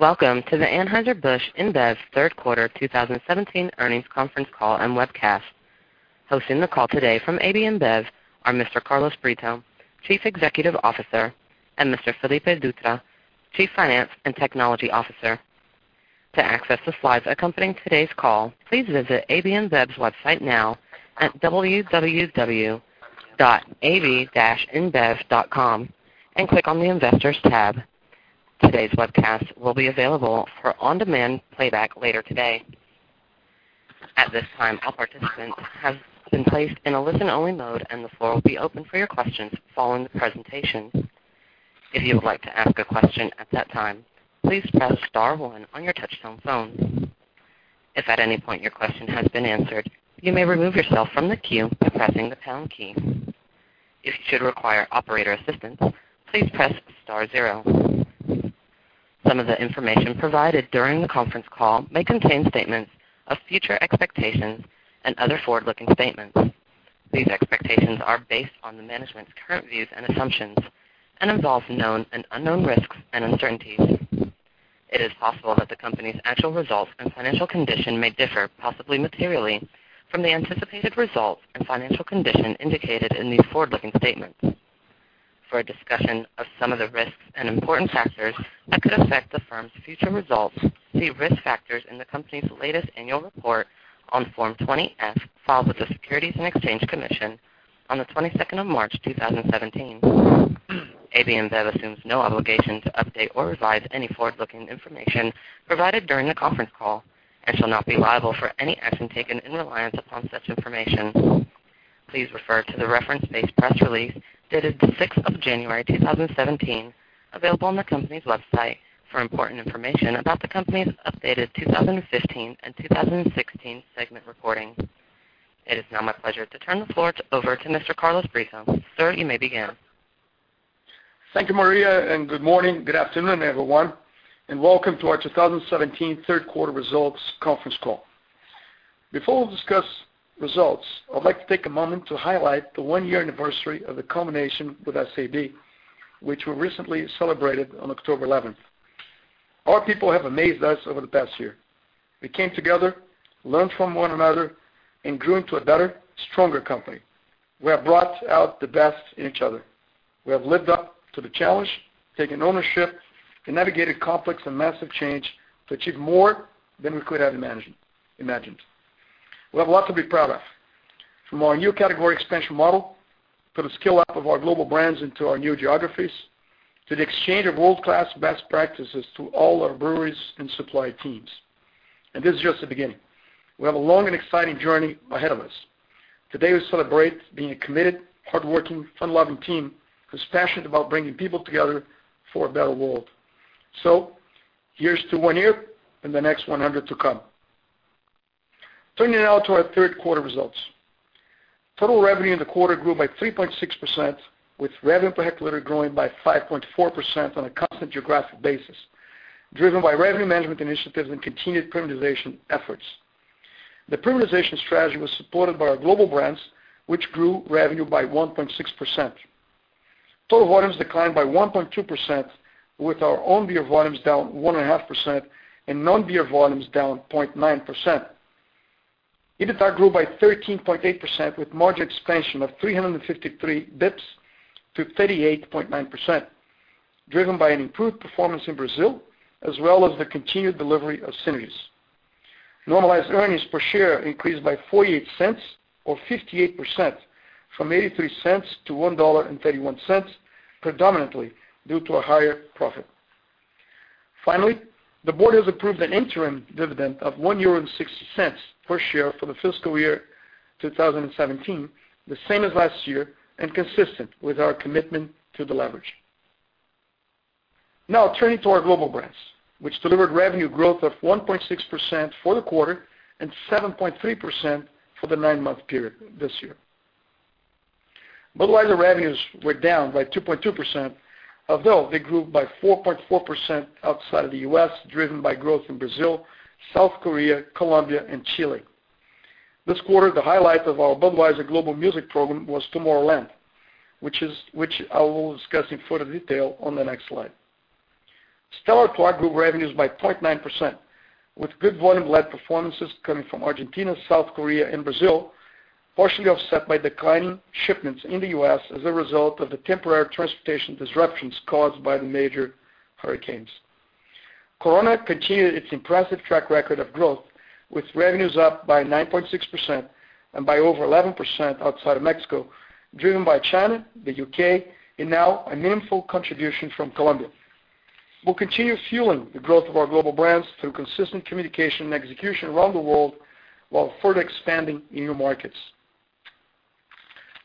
Welcome to the Anheuser-Busch InBev third quarter 2017 earnings conference call and webcast. Hosting the call today from AB InBev are Mr. Carlos Brito, Chief Executive Officer, and Mr. Felipe Dutra, Chief Finance and Technology Officer. To access the slides accompanying today's call, please visit ab-inbev.com now at www.ab-inbev.com and click on the Investors tab. Today's webcast will be available for on-demand playback later today. At this time, all participants have been placed in a listen-only mode, and the floor will be open for your questions following the presentation. If you would like to ask a question at that time, please press *1 on your touchtone phone. If at any point your question has been answered, you may remove yourself from the queue by pressing the # key. If you should require operator assistance, please press *0. Some of the information provided during the conference call may contain statements of future expectations and other forward-looking statements. These expectations are based on the management's current views and assumptions and involve known and unknown risks and uncertainties. It is possible that the company's actual results and financial condition may differ, possibly materially, from the anticipated results and financial condition indicated in these forward-looking statements. For a discussion of some of the risks and important factors that could affect the firm's future results, see risk factors in the company's latest annual report on Form 20-F, filed with the Securities and Exchange Commission on the 22nd of March 2017. AB InBev assumes no obligation to update or revise any forward-looking information provided during the conference call and shall not be liable for any action taken in reliance upon such information. Please refer to the reference-based press release dated the 6th of January 2017, available on the company's website, for important information about the company's updated 2015 and 2016 segment reporting. It is now my pleasure to turn the floor over to Mr. Carlos Brito. Sir, you may begin. Thank you, Maria, and good morning, good afternoon, everyone, and welcome to our 2017 third quarter results conference call. Before we discuss results, I'd like to take a moment to highlight the one-year anniversary of the combination with SAB, which we recently celebrated on October 11th. Our people have amazed us over the past year. We came together, learned from one another, and grew into a better, stronger company. We have brought out the best in each other. We have lived up to the challenge, taken ownership, and navigated complex and massive change to achieve more than we could have imagined. We have a lot to be proud of. From our new category expansion model, to the scale-up of our global brands into our new geographies, to the exchange of world-class best practices to all our breweries and supply teams. This is just the beginning. We have a long and exciting journey ahead of us. Today, we celebrate being a committed, hardworking, fun-loving team who's passionate about bringing people together for a better world. Here's to one year and the next 100 to come. Turning now to our third quarter results. Total revenue in the quarter grew by 3.6%, with revenue per hectoliter growing by 5.4% on a constant geographic basis, driven by revenue management initiatives and continued premiumization efforts. The premiumization strategy was supported by our global brands, which grew revenue by 1.6%. Total volumes declined by 1.2%, with our own beer volumes down 1.5% and non-beer volumes down 0.9%. EBITDA grew by 13.8% with margin expansion of 353 basis points to 38.9%, driven by an improved performance in Brazil as well as the continued delivery of synergies. Normalized earnings per share increased by $0.48 or 58%, from $0.83 to $1.31, predominantly due to a higher profit. Finally, the board has approved an interim dividend of €1.60 per share for the fiscal year 2017, the same as last year and consistent with our commitment to the leverage. Turning to our global brands, which delivered revenue growth of 1.6% for the quarter and 7.3% for the nine-month period this year. Budweiser revenues were down by 2.2%, although they grew by 4.4% outside of the U.S., driven by growth in Brazil, South Korea, Colombia, and Chile. This quarter, the highlight of our Budweiser global music program was Tomorrowland, which I will discuss in further detail on the next slide. Stella Artois grew revenues by 0.9%, with good volume-led performances coming from Argentina, South Korea, and Brazil, partially offset by declining shipments in the U.S. as a result of the temporary transportation disruptions caused by the major hurricanes. Corona continued its impressive track record of growth, with revenues up by 9.6% and by over 11% outside of Mexico, driven by China, the U.K., and now a meaningful contribution from Colombia. We'll continue fueling the growth of our global brands through consistent communication and execution around the world while further expanding in new markets.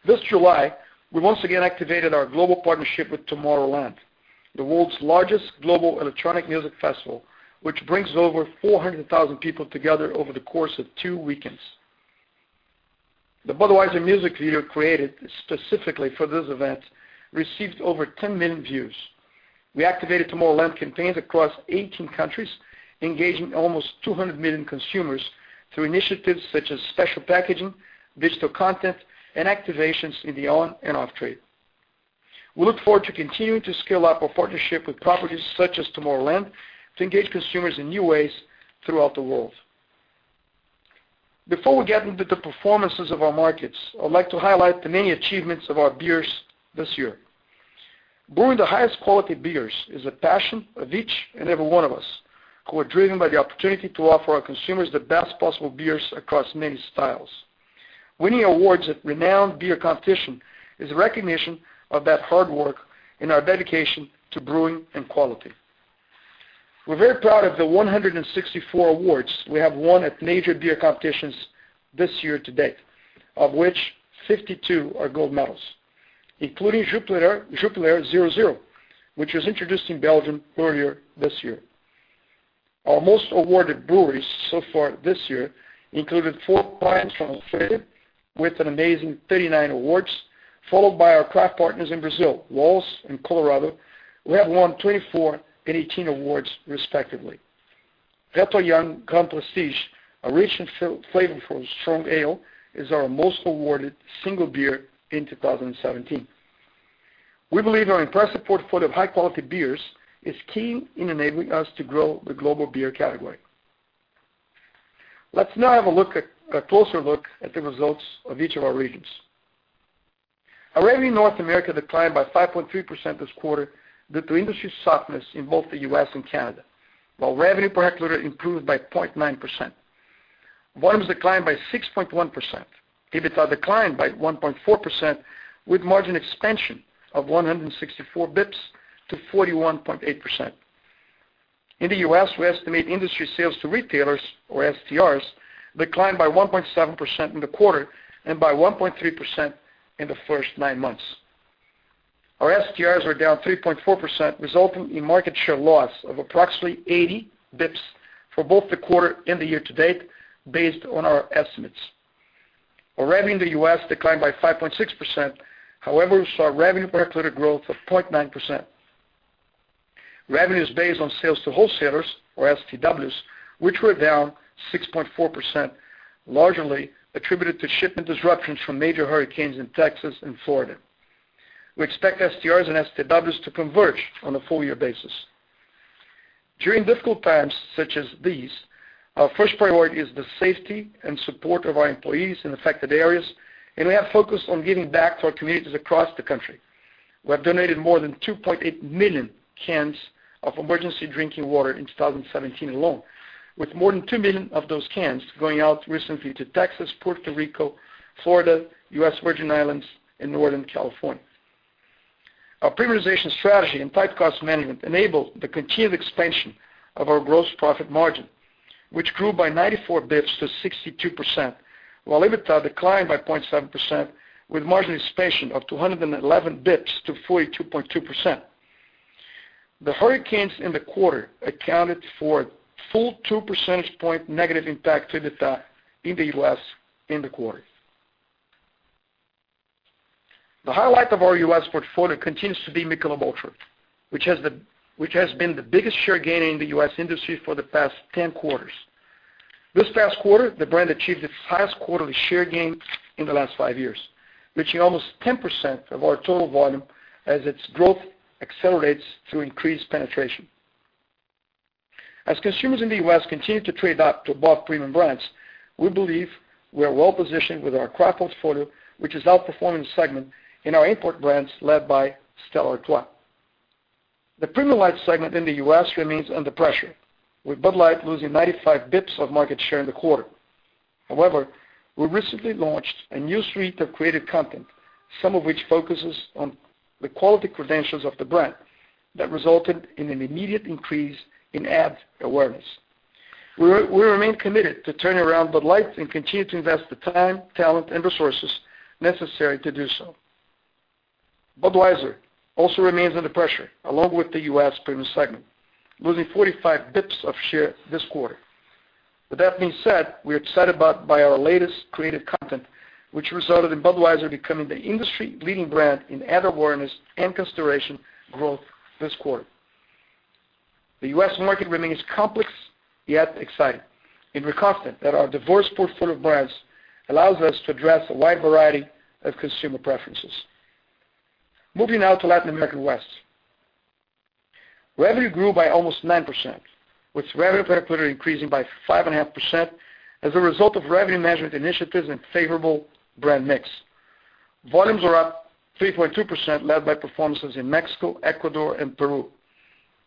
This July, we once again activated our global partnership with Tomorrowland, the world's largest global electronic music festival, which brings over 400,000 people together over the course of two weekends. The Budweiser music video created specifically for this event received over 10 million views. We activated Tomorrowland campaigns across 18 countries, engaging almost 200 million consumers through initiatives such as special packaging, digital content, and activations in the on and off trade. We look forward to continuing to scale up our partnership with properties such as Tomorrowland to engage consumers in new ways throughout the world. Before we get into the performances of our markets, I would like to highlight the many achievements of our beers this year. Brewing the highest quality beers is a passion of each and every one of us, who are driven by the opportunity to offer our consumers the best possible beers across many styles. Winning awards at renowned beer competition is a recognition of that hard work and our dedication to brewing and quality. We're very proud of the 164 awards we have won at major beer competitions this year to date, of which 52 are gold medals, including Jupiler 0.0%, which was introduced in Belgium earlier this year. Our most awarded brewery so far this year included four plants from Belgium with an amazing 39 awards, followed by our craft partners in Brazil, Wäls and Colorado, who have won 24 and 18 awards respectively. Leffe Royale, a rich and flavorful strong ale, is our most awarded single beer in 2017. We believe our impressive portfolio of high-quality beers is key in enabling us to grow the global beer category. Let's now have a closer look at the results of each of our regions. Our revenue in North America declined by 5.3% this quarter due to industry softness in both the U.S. and Canada, while revenue per hectoliter improved by 0.9%. Volumes declined by 6.1%. EBITDA declined by 1.4%, with margin expansion of 164 basis points to 41.8%. In the U.S., we estimate industry sales to retailers or STRs declined by 1.7% in the quarter and by 1.3% in the first nine months. Our STRs were down 3.4%, resulting in market share loss of approximately 80 basis points for both the quarter and the year to date based on our estimates. Our revenue in the U.S. declined by 5.6%, we saw revenue per hectoliter growth of 0.9%. Revenues based on sales to wholesalers or STWs, which were down 6.4%, largely attributed to shipment disruptions from major hurricanes in Texas and Florida. We expect STRs and STWs to converge on a full-year basis. During difficult times such as these, our first priority is the safety and support of our employees in affected areas, and we have focused on giving back to our communities across the country. We have donated more than 2.8 million cans of emergency drinking water in 2017 alone, with more than 2 million of those cans going out recently to Texas, Puerto Rico, Florida, U.S. Virgin Islands, and Northern California. Our premiumization strategy and tight cost management enabled the continued expansion of our gross profit margin, which grew by 94 basis points to 62%, while EBITDA declined by 0.7% with margin expansion of 211 basis points to 42.2%. The hurricanes in the quarter accounted for a full two percentage point negative impact to EBITDA in the U.S. in the quarter. The highlight of our U.S. portfolio continues to be Michelob ULTRA, which has been the biggest share gainer in the U.S. industry for the past 10 quarters. This past quarter, the brand achieved its highest quarterly share gains in the last five years, reaching almost 10% of our total volume as its growth accelerates through increased penetration. As consumers in the U.S. continue to trade up to above-premium brands, we believe we are well-positioned with our craft portfolio, which is outperforming the segment in our import brands led by Stella Artois. The premium light segment in the U.S. remains under pressure, with Bud Light losing 95 basis points of market share in the quarter. We recently launched a new suite of creative content, some of which focuses on the quality credentials of the brand that resulted in an immediate increase in ad awareness. We remain committed to turning around Bud Light and continue to invest the time, talent, and resources necessary to do so. Budweiser also remains under pressure, along with the U.S. premium segment, losing 45 basis points of share this quarter. With that being said, we're excited by our latest creative content, which resulted in Budweiser becoming the industry-leading brand in ad awareness and consideration growth this quarter. The U.S. market remains complex, yet exciting, and we're confident that our diverse portfolio of brands allows us to address a wide variety of consumer preferences. Moving now to Latin America West. Revenue grew by almost 9%, with revenue per hectoliter increasing by 5.5% as a result of revenue management initiatives and favorable brand mix. Volumes were up 3.2%, led by performances in Mexico, Ecuador, and Peru.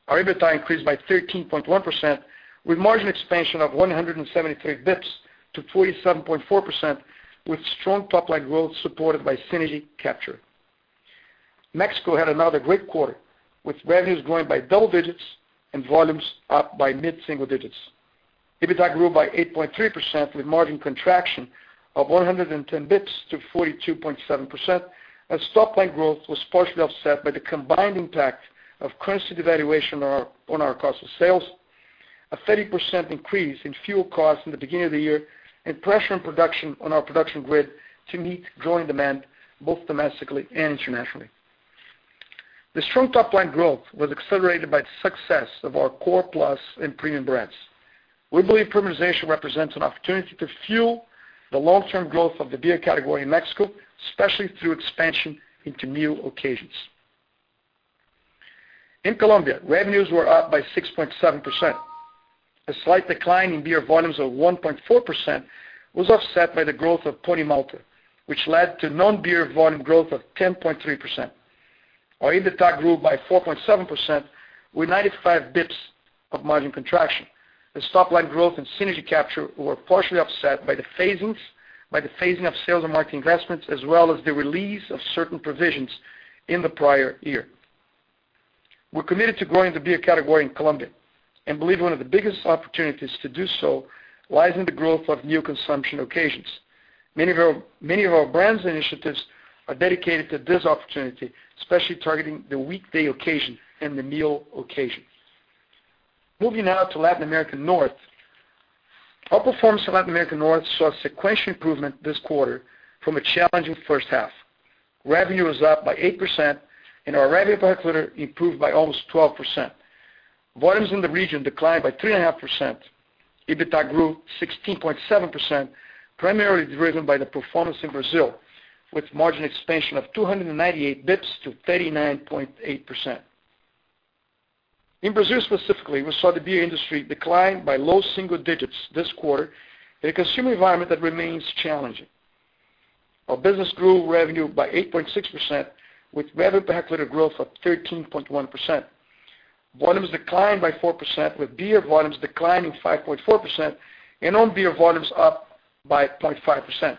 Our EBITDA increased by 13.1%, with margin expansion of 173 basis points to 47.4%, with strong top line growth supported by synergy capture. Mexico had another great quarter, with revenues growing by double digits and volumes up by mid-single digits. EBITDA grew by 8.3%, with margin contraction of 110 basis points to 42.7%, as top line growth was partially offset by the combined impact of currency devaluation on our cost of sales, a 30% increase in fuel costs in the beginning of the year, and pressure on our production grid to meet growing demand both domestically and internationally. The strong top-line growth was accelerated by the success of our core plus and premium brands. We believe premiumization represents an opportunity to fuel the long-term growth of the beer category in Mexico, especially through expansion into meal occasions. In Colombia, revenues were up by 6.7%. A slight decline in beer volumes of 1.4% was offset by the growth of Pony Malta, which led to non-beer volume growth of 10.3%. Our EBITDA grew by 4.7% with 95 basis points of margin contraction. The top-line growth and synergy capture were partially offset by the phasing of sales and marketing investments, as well as the release of certain provisions in the prior year. We're committed to growing the beer category in Colombia and believe one of the biggest opportunities to do so lies in the growth of new consumption occasions. Many of our brands initiatives are dedicated to this opportunity, especially targeting the weekday occasion and the meal occasion. Moving now to Latin America North. Our performance in Latin America North saw sequential improvement this quarter from a challenging first half. Revenue was up by 8%, and our revenue per hectoliter improved by almost 12%. Volumes in the region declined by 3.5%. EBITDA grew 16.7%, primarily driven by the performance in Brazil, with margin expansion of 298 basis points to 39.8%. In Brazil specifically, we saw the beer industry decline by low single digits this quarter in a consumer environment that remains challenging. Our business grew revenue by 8.6% with revenue per hectoliter growth of 13.1%. Volumes declined by 4%, with beer volumes declining 5.4% and own beer volumes up by 0.5%.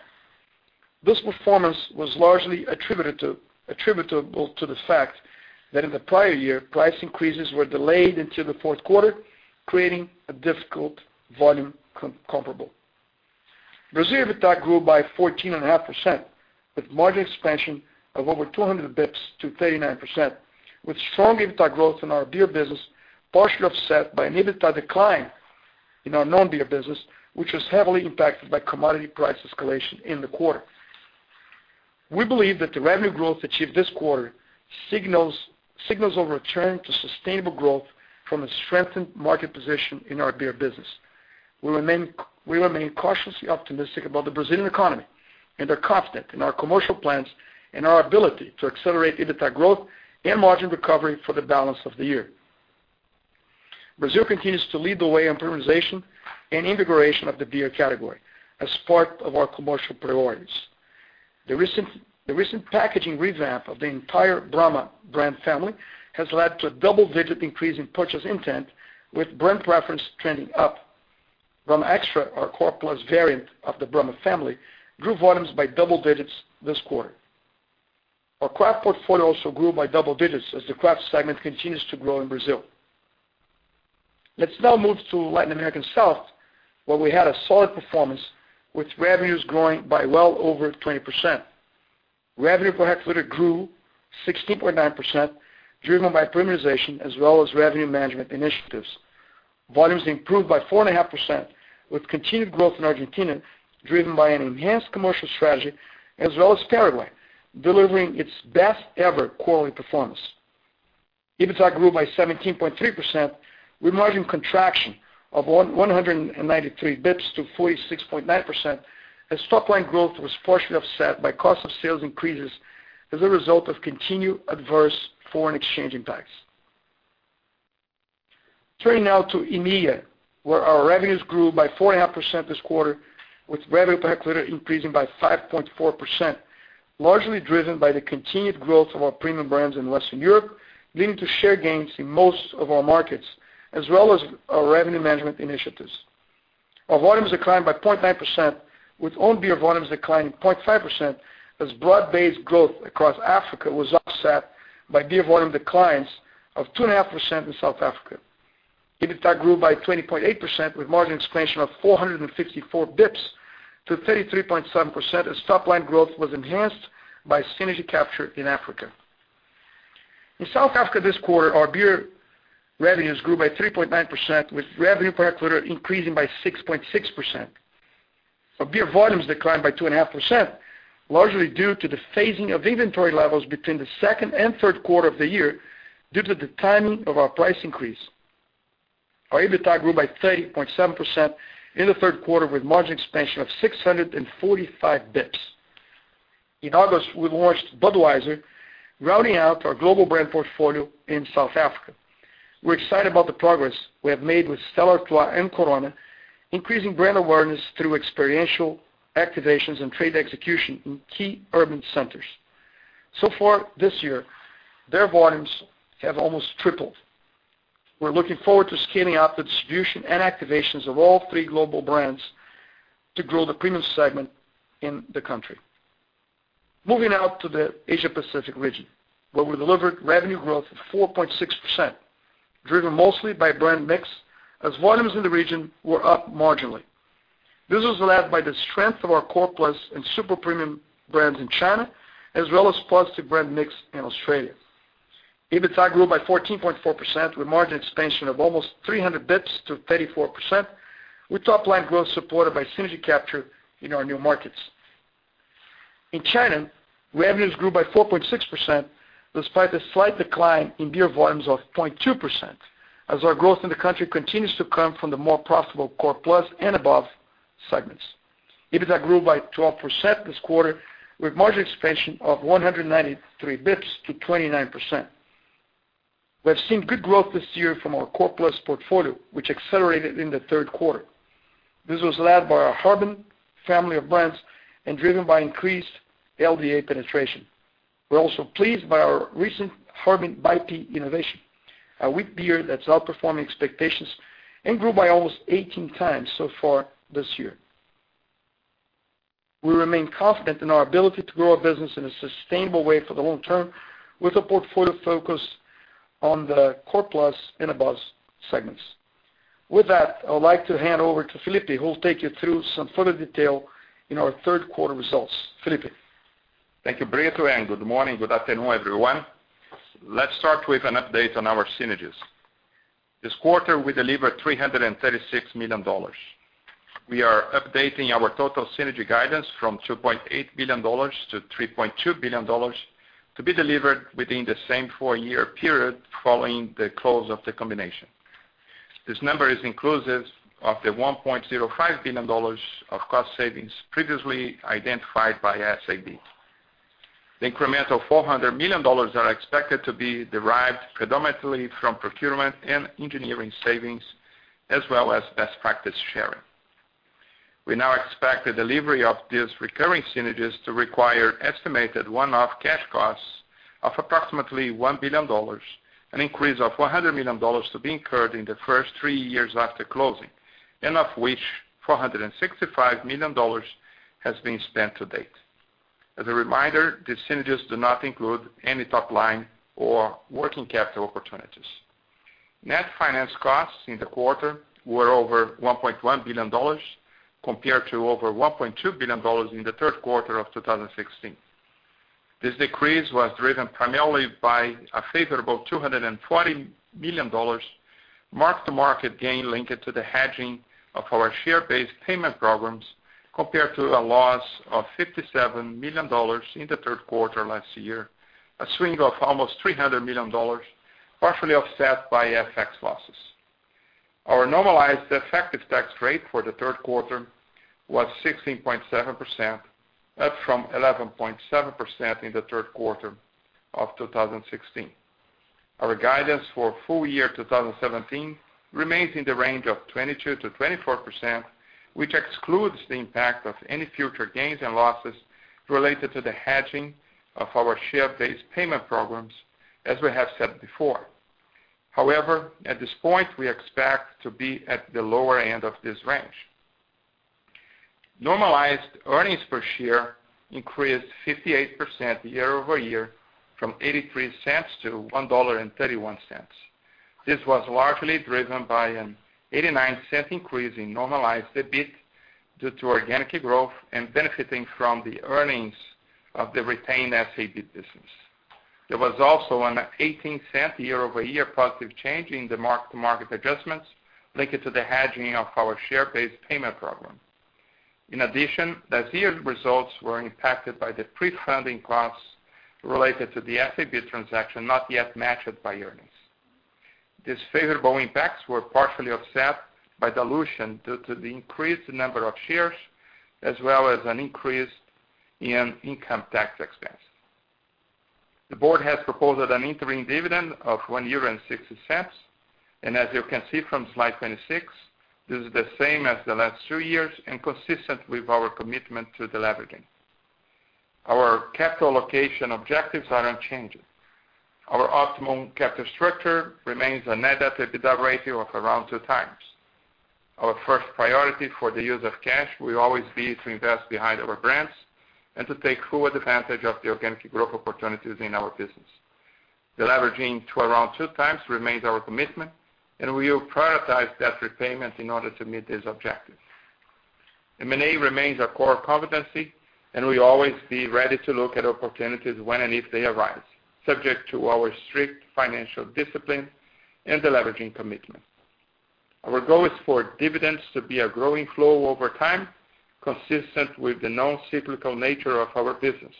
This performance was largely attributable to the fact that in the prior year, price increases were delayed into the fourth quarter, creating a difficult volume comparable. Brazil EBITDA grew by 14.5% with margin expansion of over 200 basis points to 39%, with strong EBITDA growth in our beer business partially offset by an EBITDA decline in our non-beer business, which was heavily impacted by commodity price escalation in the quarter. We believe that the revenue growth achieved this quarter signals a return to sustainable growth from a strengthened market position in our beer business. We remain cautiously optimistic about the Brazilian economy and are confident in our commercial plans and our ability to accelerate EBITDA growth and margin recovery for the balance of the year. Brazil continues to lead the way on premiumization and integration of the beer category as part of our commercial priorities. The recent packaging revamp of the entire Brahma brand family has led to a double-digit increase in purchase intent with brand preference trending up. Brahma Extra, our core plus variant of the Brahma family, grew volumes by double digits this quarter. Our craft portfolio also grew by double digits as the craft segment continues to grow in Brazil. Let's now move to Latin America South, where we had a solid performance with revenues growing by well over 20%. Revenue per hectoliter grew 16.9%, driven by premiumization as well as revenue management initiatives. Volumes improved by 4.5% with continued growth in Argentina, driven by an enhanced commercial strategy, as well as Paraguay, delivering its best-ever quarterly performance. EBITDA grew by 17.3% with margin contraction of 193 basis points to 46.9% as top-line growth was partially offset by cost of sales increases as a result of continued adverse foreign exchange impacts. Turning now to EMEA, where our revenues grew by 4.5% this quarter, with revenue per hectoliter increasing by 5.4%, largely driven by the continued growth of our premium brands in Western Europe, leading to share gains in most of our markets, as well as our revenue management initiatives. Our volumes declined by 0.9%, with own beer volumes declining 0.5% as broad-based growth across Africa was offset by beer volume declines of 2.5% in South Africa. EBITDA grew by 20.8% with margin expansion of 454 basis points to 33.7% as top-line growth was enhanced by synergy capture in Africa. In South Africa this quarter, our beer revenues grew by 3.9% with revenue per hectoliter increasing by 6.6%. Our beer volumes declined by 2.5%, largely due to the phasing of inventory levels between the second and third quarter of the year due to the timing of our price increase. Our EBITDA grew by 30.7% in the third quarter with margin expansion of 645 basis points. In August, we launched Budweiser, rounding out our global brand portfolio in South Africa. Far this year, their volumes have almost tripled. We're looking forward to scaling up the distribution and activations of all three global brands to grow the premium segment in the country. Moving now to the Asia-Pacific region, where we delivered revenue growth of 4.6%, driven mostly by brand mix as volumes in the region were up marginally. This was led by the strength of our core plus and super premium brands in China, as well as positive brand mix in Australia. EBITDA grew by 14.4% with margin expansion of almost 300 basis points to 34%, with top-line growth supported by synergy capture in our new markets. In China, revenues grew by 4.6%, despite a slight decline in beer volumes of 0.2%, as our growth in the country continues to come from the more profitable core plus and above segments. EBITDA grew by 12% this quarter, with margin expansion of 193 basis points to 29%. We have seen good growth this year from our core plus portfolio, which accelerated in the third quarter. This was led by our Harbin family of brands and driven by increased LDA penetration. We're also pleased by our recent Harbin IPA innovation, a wheat beer that's outperforming expectations and grew by almost 18 times so far this year. We remain confident in our ability to grow our business in a sustainable way for the long term, with a portfolio focus on the core plus and above segments. With that, I would like to hand over to Felipe, who will take you through some further detail in our third quarter results. Felipe? Thank you, Brito, good morning, good afternoon, everyone. Let's start with an update on our synergies. This quarter, we delivered $336 million. We are updating our total synergy guidance from $2.8 billion to $3.2 billion to be delivered within the same four-year period following the close of the combination. This number is inclusive of the $1.05 billion of cost savings previously identified by SABMiller. The incremental $400 million are expected to be derived predominantly from procurement and engineering savings as well as best practice sharing. We now expect the delivery of these recurring synergies to require estimated one-off cash costs of approximately $1 billion, an increase of $100 million to be incurred in the first three years after closing, and of which $465 million has been spent to date. As a reminder, the synergies do not include any top line or working capital opportunities. Net finance costs in the quarter were over $1.1 billion, compared to over $1.2 billion in the third quarter of 2016. This decrease was driven primarily by a favorable $240 million mark-to-market gain linked to the hedging of our share-based payment programs, compared to a loss of $57 million in the third quarter last year, a swing of almost $300 million, partially offset by FX losses. Our normalized effective tax rate for the third quarter was 16.7%, up from 11.7% in the third quarter of 2016. Our guidance for full year 2017 remains in the range of 22%-24%, which excludes the impact of any future gains and losses related to the hedging of our share-based payment programs, as we have said before. However, at this point, we expect to be at the lower end of this range. Normalized earnings per share increased 58% year-over-year from $0.83 to $1.31. This was largely driven by an $0.89 increase in normalized EBIT due to organic growth and benefiting from the earnings of the retained SABMiller business. There was also an $0.18 year-over-year positive change in the mark-to-market adjustments linked to the hedging of our share-based payment program. In addition, the year's results were impacted by the pre-funding costs related to the SABMiller transaction not yet matched by earnings. These favorable impacts were partially offset by dilution due to the increased number of shares, as well as an increase in income tax expense. The board has proposed an interim dividend of €1.60, and as you can see from slide 26, this is the same as the last two years and consistent with our commitment to deleveraging. Our capital allocation objectives are unchanged. Our optimum capital structure remains a net EBITDA ratio of around two times. Our first priority for the use of cash will always be to invest behind our brands and to take full advantage of the organic growth opportunities in our business. Deleveraging to around two times remains our commitment, and we will prioritize debt repayment in order to meet this objective. M&A remains our core competency, and we always be ready to look at opportunities when and if they arise, subject to our strict financial discipline and deleveraging commitment. Our goal is for dividends to be a growing flow over time, consistent with the non-cyclical nature of our business.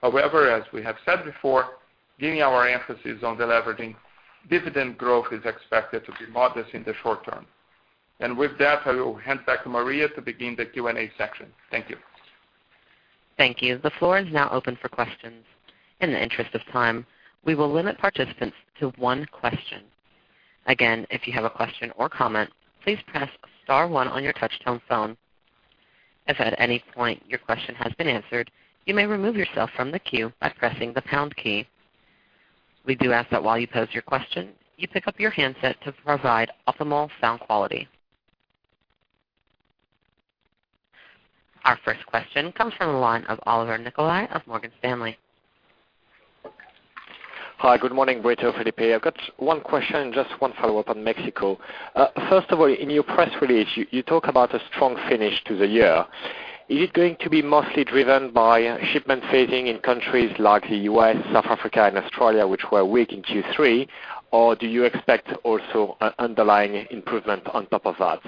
However, as we have said before, given our emphasis on deleveraging, dividend growth is expected to be modest in the short term. With that, I will hand back to Maria to begin the Q&A section. Thank you. Thank you. The floor is now open for questions. In the interest of time, we will limit participants to one question. Again, if you have a question or comment, please press star one on your touch-tone phone. If at any point your question has been answered, you may remove yourself from the queue by pressing the # key. We do ask that while you pose your question, you pick up your handset to provide optimal sound quality. Our first question comes from the line of Olivier Nicolai of Morgan Stanley. Hi, good morning, Brito, Felipe. I've got one question, just one follow-up on Mexico. First of all, in your press release, you talk about a strong finish to the year. Is it going to be mostly driven by shipment phasing in countries like the U.S., South Africa, and Australia, which were weak in Q3, or do you expect also underlying improvement on top of that?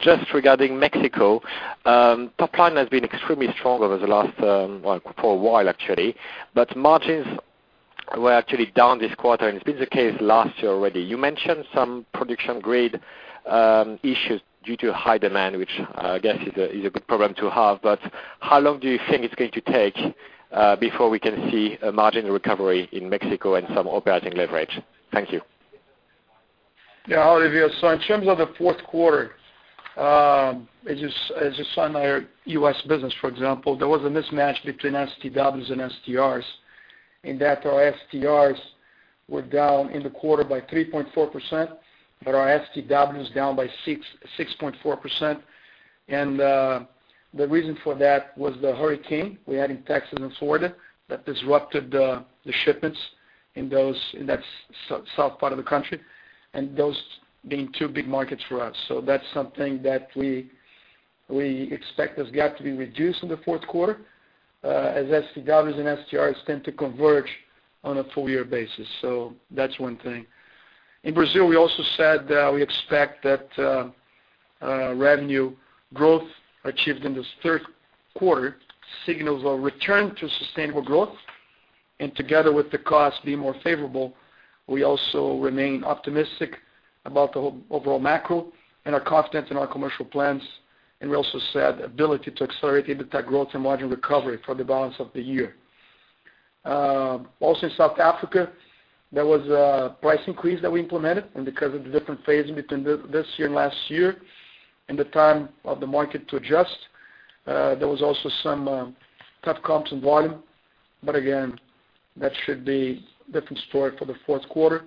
Just regarding Mexico, top line has been extremely strong for a while, actually, but margins actually down this quarter, and it's been the case last year already. You mentioned some production grid issues due to high demand, which I guess is a good problem to have, but how long do you think it's going to take before we can see a margin recovery in Mexico and some operating leverage? Thank you. Olivier. In terms of the fourth quarter, as you saw in our U.S. business, for example, there was a mismatch between STWs and STRs, in that our STRs were down in the quarter by 3.4%, but our STW was down by 6.4%. The reason for that was the hurricane we had in Texas and Florida that disrupted the shipments in that south part of the country and those being two big markets for us. That's something that we expect this gap to be reduced in the fourth quarter, as STWs and STRs tend to converge on a full year basis. That's one thing. In Brazil, we also said that we expect that revenue growth achieved in this third quarter signals a return to sustainable growth. Together with the cost being more favorable, we also remain optimistic about the overall macro and are confident in our commercial plans. We also said ability to accelerate EBITDA growth and margin recovery for the balance of the year. Also in South Africa, there was a price increase that we implemented. Because of the different phasing between this year and last year and the time of the market to adjust, there was also some tough comps in volume. Again, that should be a different story for the fourth quarter.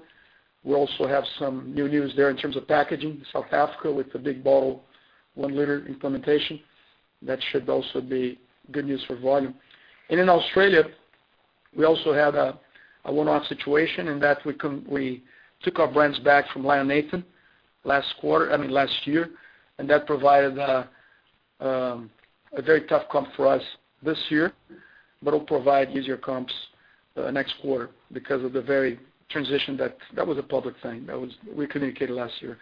We also have some new news there in terms of packaging in South Africa with the big bottle, one-liter implementation. That should also be good news for volume. In Australia, we also had a one-off situation in that we took our brands back from Lion Nathan last year, and that provided a very tough comp for us this year. It'll provide easier comps next quarter because of the very transition that was a public thing. We communicated last year.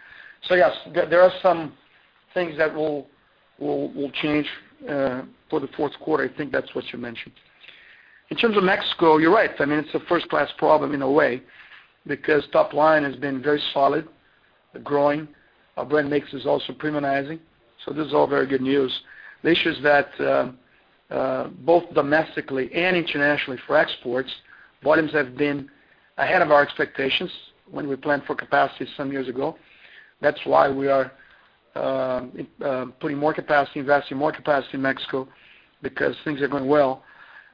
Yes, there are some things that will change for the fourth quarter. I think that's what you mentioned. In terms of Mexico, you're right. It's a first-class problem in a way because top line has been very solid, growing. Our brand mix is also premiumizing. This is all very good news. The issue is that both domestically and internationally for exports, volumes have been ahead of our expectations when we planned for capacity some years ago. That's why we are putting more capacity, investing more capacity in Mexico because things are going well.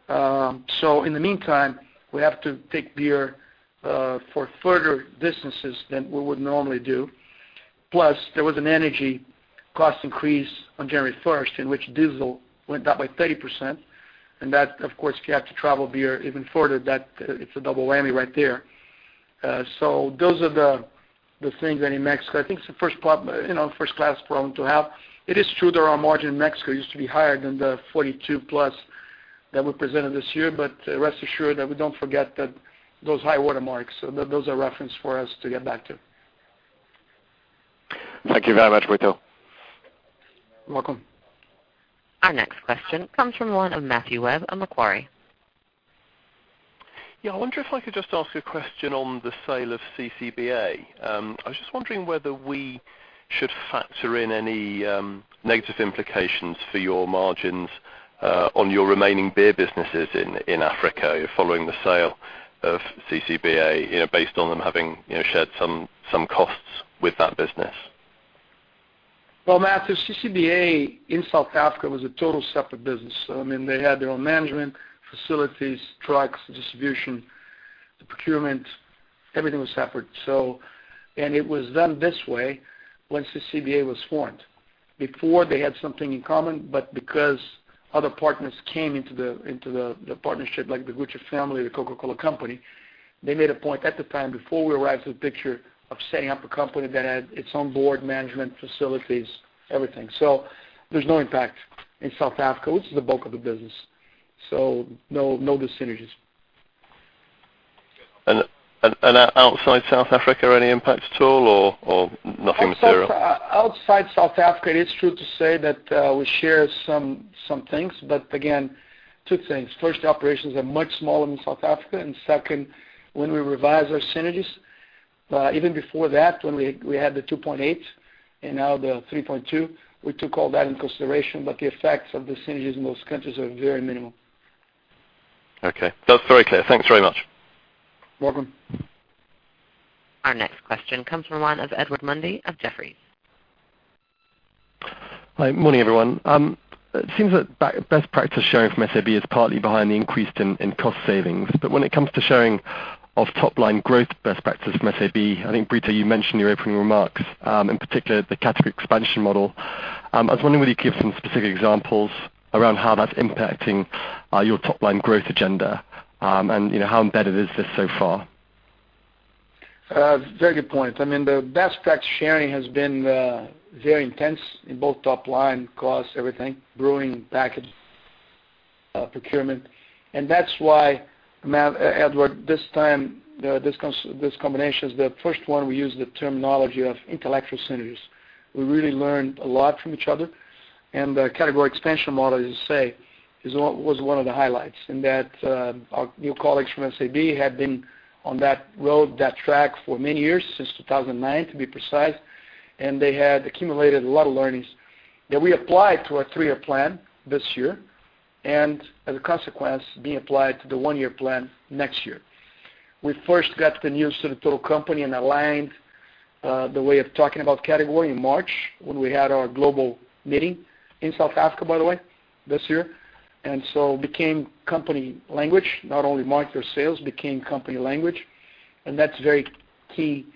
In the meantime, we have to take beer for further distances than we would normally do. Plus, there was an energy cost increase on January 1st in which diesel went up by 30%. That, of course, if you have to travel beer even further, it's a double whammy right there. Those are the things that in Mexico, I think it's a first-class problem to have. It is true that our margin in Mexico used to be higher than the 42+ that we presented this year, but rest assured that we don't forget those high water marks. Those are reference for us to get back to. Thank you very much, Brito. You're welcome. Our next question comes from Matthew Webb of Macquarie. Yeah, I wonder if I could just ask a question on the sale of CCBA. I was just wondering whether we should factor in any negative implications for your margins on your remaining beer businesses in Africa following the sale of CCBA based on them having shared some costs with that business. Matthew, CCBA in South Africa was a total separate business. They had their own management, facilities, trucks, distribution, the procurement, everything was separate. It was done this way once CCBA was formed. Before, they had something in common, but because other partners came into the partnership, like the Gutsche family, The Coca-Cola Company, they made a point at the time before we arrived to the picture of setting up a company that had its own board, management, facilities, everything. There's no impact in South Africa, which is the bulk of the business. No, the synergies. Outside South Africa, any impact at all or nothing material? Outside South Africa, it is true to say that we share some things. Again, two things. First, operations are much smaller than South Africa. Second, when we revised our synergies, even before that, when we had the 2.8 and now the 3.2, we took all that into consideration, the effects of the synergies in those countries are very minimal. Okay. That's very clear. Thanks very much. Welcome. Our next question comes from one of Edward Mundy of Jefferies. Hi, morning everyone. It seems that best practice sharing from SABMiller is partly behind the increase in cost savings. When it comes to sharing of top-line growth best practices from SABMiller, I think Brito, you mentioned in your opening remarks, in particular the category expansion model. I was wondering whether you could give some specific examples around how that's impacting your top-line growth agenda, and how embedded is this so far? Very good point. The best practice sharing has been very intense in both top-line costs, everything, brewing, package, procurement. That's why, Edward, this time, this combination is the first one we use the terminology of intellectual synergies. We really learned a lot from each other. The category expansion model, as you say is what was one of the highlights, that our new colleagues from SABMiller had been on that road, that track for many years, since 2009 to be precise. They had accumulated a lot of learnings that we applied to our three-year plan this year, as a consequence, being applied to the one-year plan next year. We first got the news to the total company and aligned the way of talking about category in March, when we had our global meeting in South Africa, by the way, this year. Became company language, not only market or sales, became company language. That was very key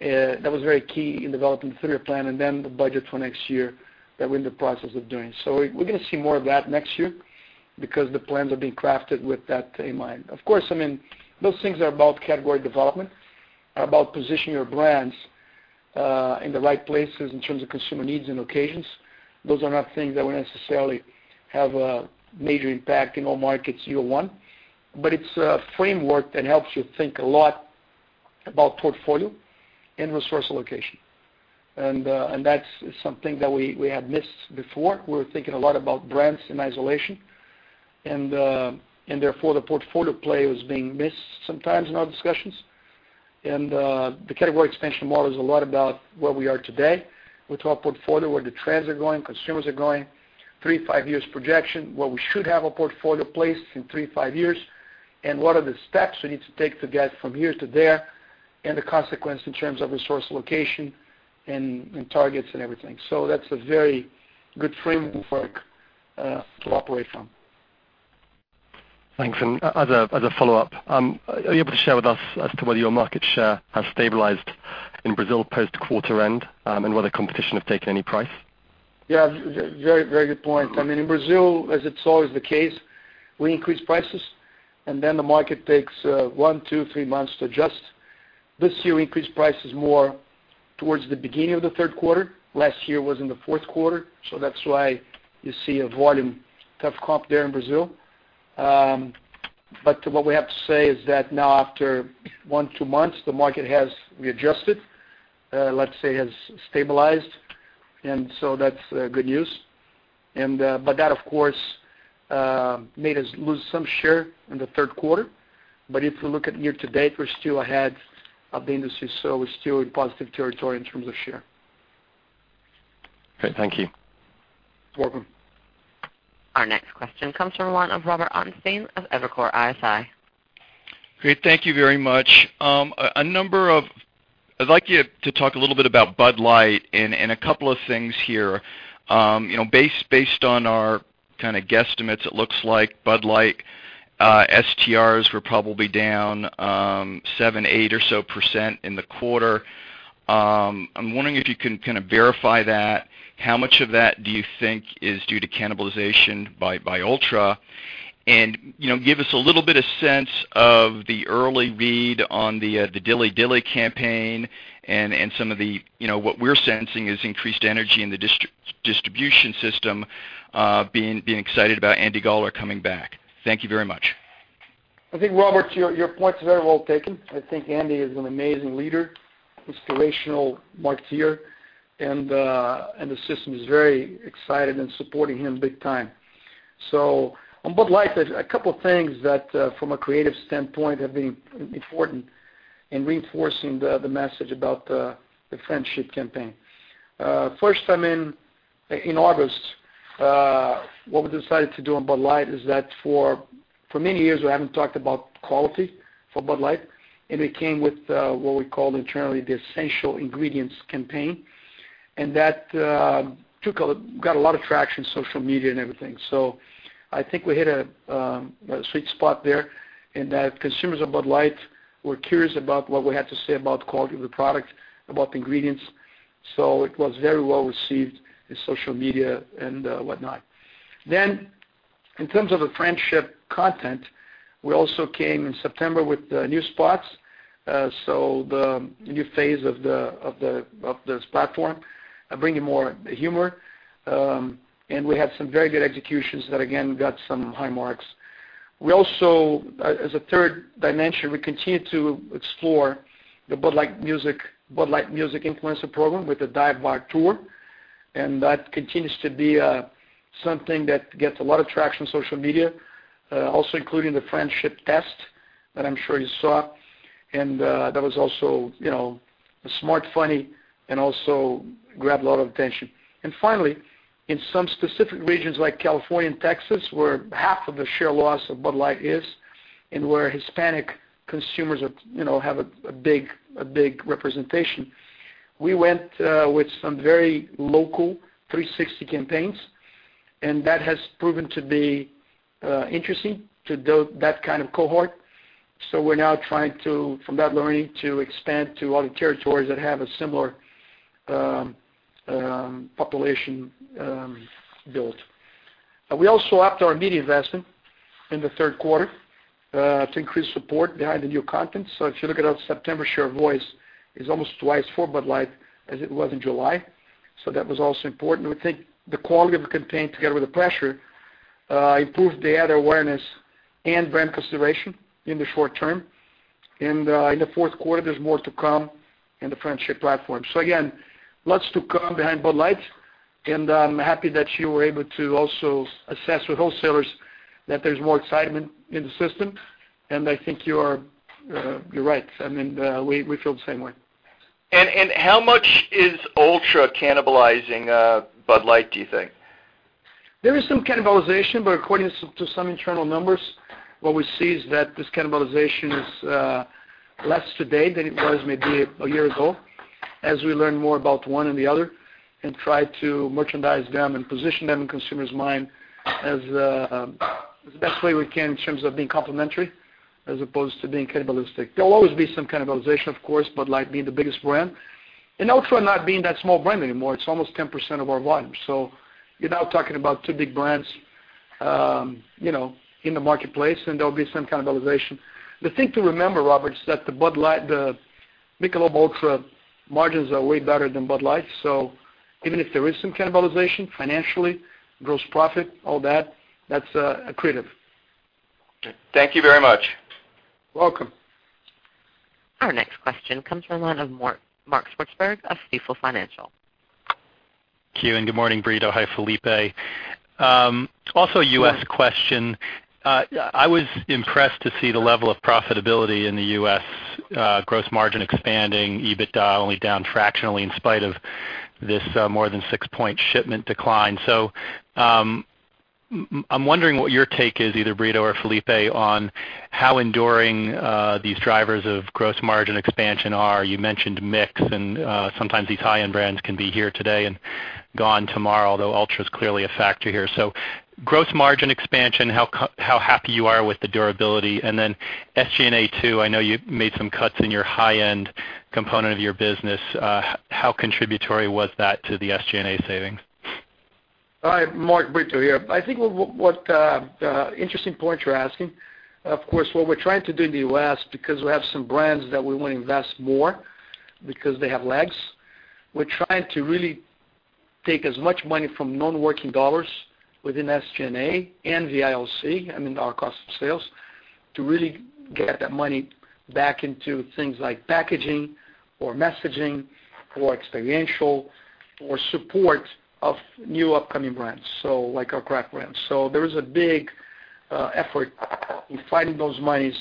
in developing the three-year plan and then the budget for next year that we're in the process of doing. We're going to see more of that next year because the plans are being crafted with that in mind. Of course, those things are about category development, are about positioning your brands in the right places in terms of consumer needs and occasions. Those are not things that will necessarily have a major impact in all markets year one. It's a framework that helps you think a lot about portfolio and resource allocation. That's something that we had missed before. We were thinking a lot about brands in isolation, therefore the portfolio play was being missed sometimes in our discussions. The category expansion model is a lot about where we are today with our portfolio, where the trends are going, consumers are going, 3 to 5 years projection, where we should have our portfolio placed in 3 to 5 years, and what are the steps we need to take to get from here to there, and the consequence in terms of resource allocation and targets and everything. That's a very good framework to operate from. Thanks. As a follow-up, are you able to share with us as to whether your market share has stabilized in Brazil post quarter-end and whether competition have taken any price? Very good point. In Brazil, as it's always the case, we increase prices, and then the market takes one, two, three months to adjust. This year, we increased prices more towards the beginning of the third quarter. Last year was in the fourth quarter. That's why you see a volume tough comp there in Brazil. What we have to say is that now after one, two months, the market has readjusted. Let's say has stabilized. That's good news. That, of course, made us lose some share in the third quarter. If you look at year-to-date, we're still ahead of the industry, we're still in positive territory in terms of share. Great. Thank you. You're welcome. Our next question comes from the line of Robert Ottenstein of Evercore ISI. Great. Thank you very much. I'd like you to talk a little bit about Bud Light and a couple of things here. Based on our kind of guesstimates, it looks like Bud Light STRs were probably down seven, eight or so % in the quarter. I'm wondering if you can kind of verify that. How much of that do you think is due to cannibalization by ULTRA? Give us a little bit of sense of the early read on the Dilly Dilly campaign and some of what we're sensing is increased energy in the distribution system being excited about Andy Goeler coming back. Thank you very much. I think, Robert, your point is very well taken. I think Andy is an amazing leader, inspirational marketeer, the system is very excited and supporting him big time. On Bud Light, a couple of things that from a creative standpoint have been important in reinforcing the message about the friendship campaign. First, in August, what we decided to do on Bud Light is that for many years, we haven't talked about quality for Bud Light, we came with what we called internally the Essential Ingredients campaign. That got a lot of traction, social media and everything. I think we hit a sweet spot there in that consumers of Bud Light were curious about what we had to say about quality of the product, about the ingredients. It was very well received in social media and whatnot. In terms of the friendship content, we also came in September with new spots. The new phase of this platform, bringing more humor. We had some very good executions that again got some high marks. We also, as a third dimension, continue to explore the Bud Light Music Influencer program with the Dive Bar Tour, and that continues to be something that gets a lot of traction on social media, also including the friendship test that I'm sure you saw. That was also smart, funny, and also grabbed a lot of attention. Finally, in some specific regions like California and Texas, where half of the share loss of Bud Light is and where Hispanic consumers have a big representation, we went with some very local 360 campaigns, and that has proven to be interesting to that kind of cohort. We're now trying to, from that learning, to expand to other territories that have a similar population built. We also upped our media investment in the third quarter to increase support behind the new content. If you look at our September share of voice, it's almost twice for Bud Light as it was in July. That was also important. We think the quality of the campaign together with the pressure improved the ad awareness and brand consideration in the short term. In the fourth quarter, there's more to come in the friendship platform. Again, lots to come behind Bud Light, and I'm happy that you were able to also assess with wholesalers that there's more excitement in the system, and I think you're right. We feel the same way. How much is ULTRA cannibalizing Bud Light, do you think? There is some cannibalization, according to some internal numbers, what we see is that this cannibalization is less today than it was maybe a year ago, as we learn more about one and the other and try to merchandise them and position them in consumers' mind as the best way we can in terms of being complementary as opposed to being cannibalistic. There'll always be some cannibalization, of course, Bud Light being the biggest brand and ULTRA not being that small brand anymore. It's almost 10% of our volume. You're now talking about two big brands in the marketplace, and there'll be some cannibalization. The thing to remember, Robert, is that the Michelob ULTRA margins are way better than Bud Light. Even if there is some cannibalization, financially, gross profit, all that's accretive. Thank you very much. Welcome. Our next question comes from the line of Mark Swartzberg of Stifel. Q. Good morning, Brito. Hi, Felipe. Also a U.S. question. I was impressed to see the level of profitability in the U.S., gross margin expanding, EBITDA only down fractionally in spite of this more than six-point shipment decline. I'm wondering what your take is, either Brito or Felipe, on how enduring these drivers of gross margin expansion are. You mentioned mix, and sometimes these high-end brands can be here today and gone tomorrow, although Michelob ULTRA's clearly a factor here. Gross margin expansion, how happy you are with the durability, and then SG&A too, I know you made some cuts in your high-end component of your business. How contributory was that to the SG&A savings? Hi, Mark. Brito here. I think interesting points you're asking. Of course, what we're trying to do in the U.S., because we have some brands that we want to invest more because they have legs. We're trying to really take as much money from non-working dollars within SG&A and the ILC and in our cost of sales to really get that money back into things like packaging or messaging or experiential or support of new upcoming brands, like our craft brands. There is a big effort in finding those monies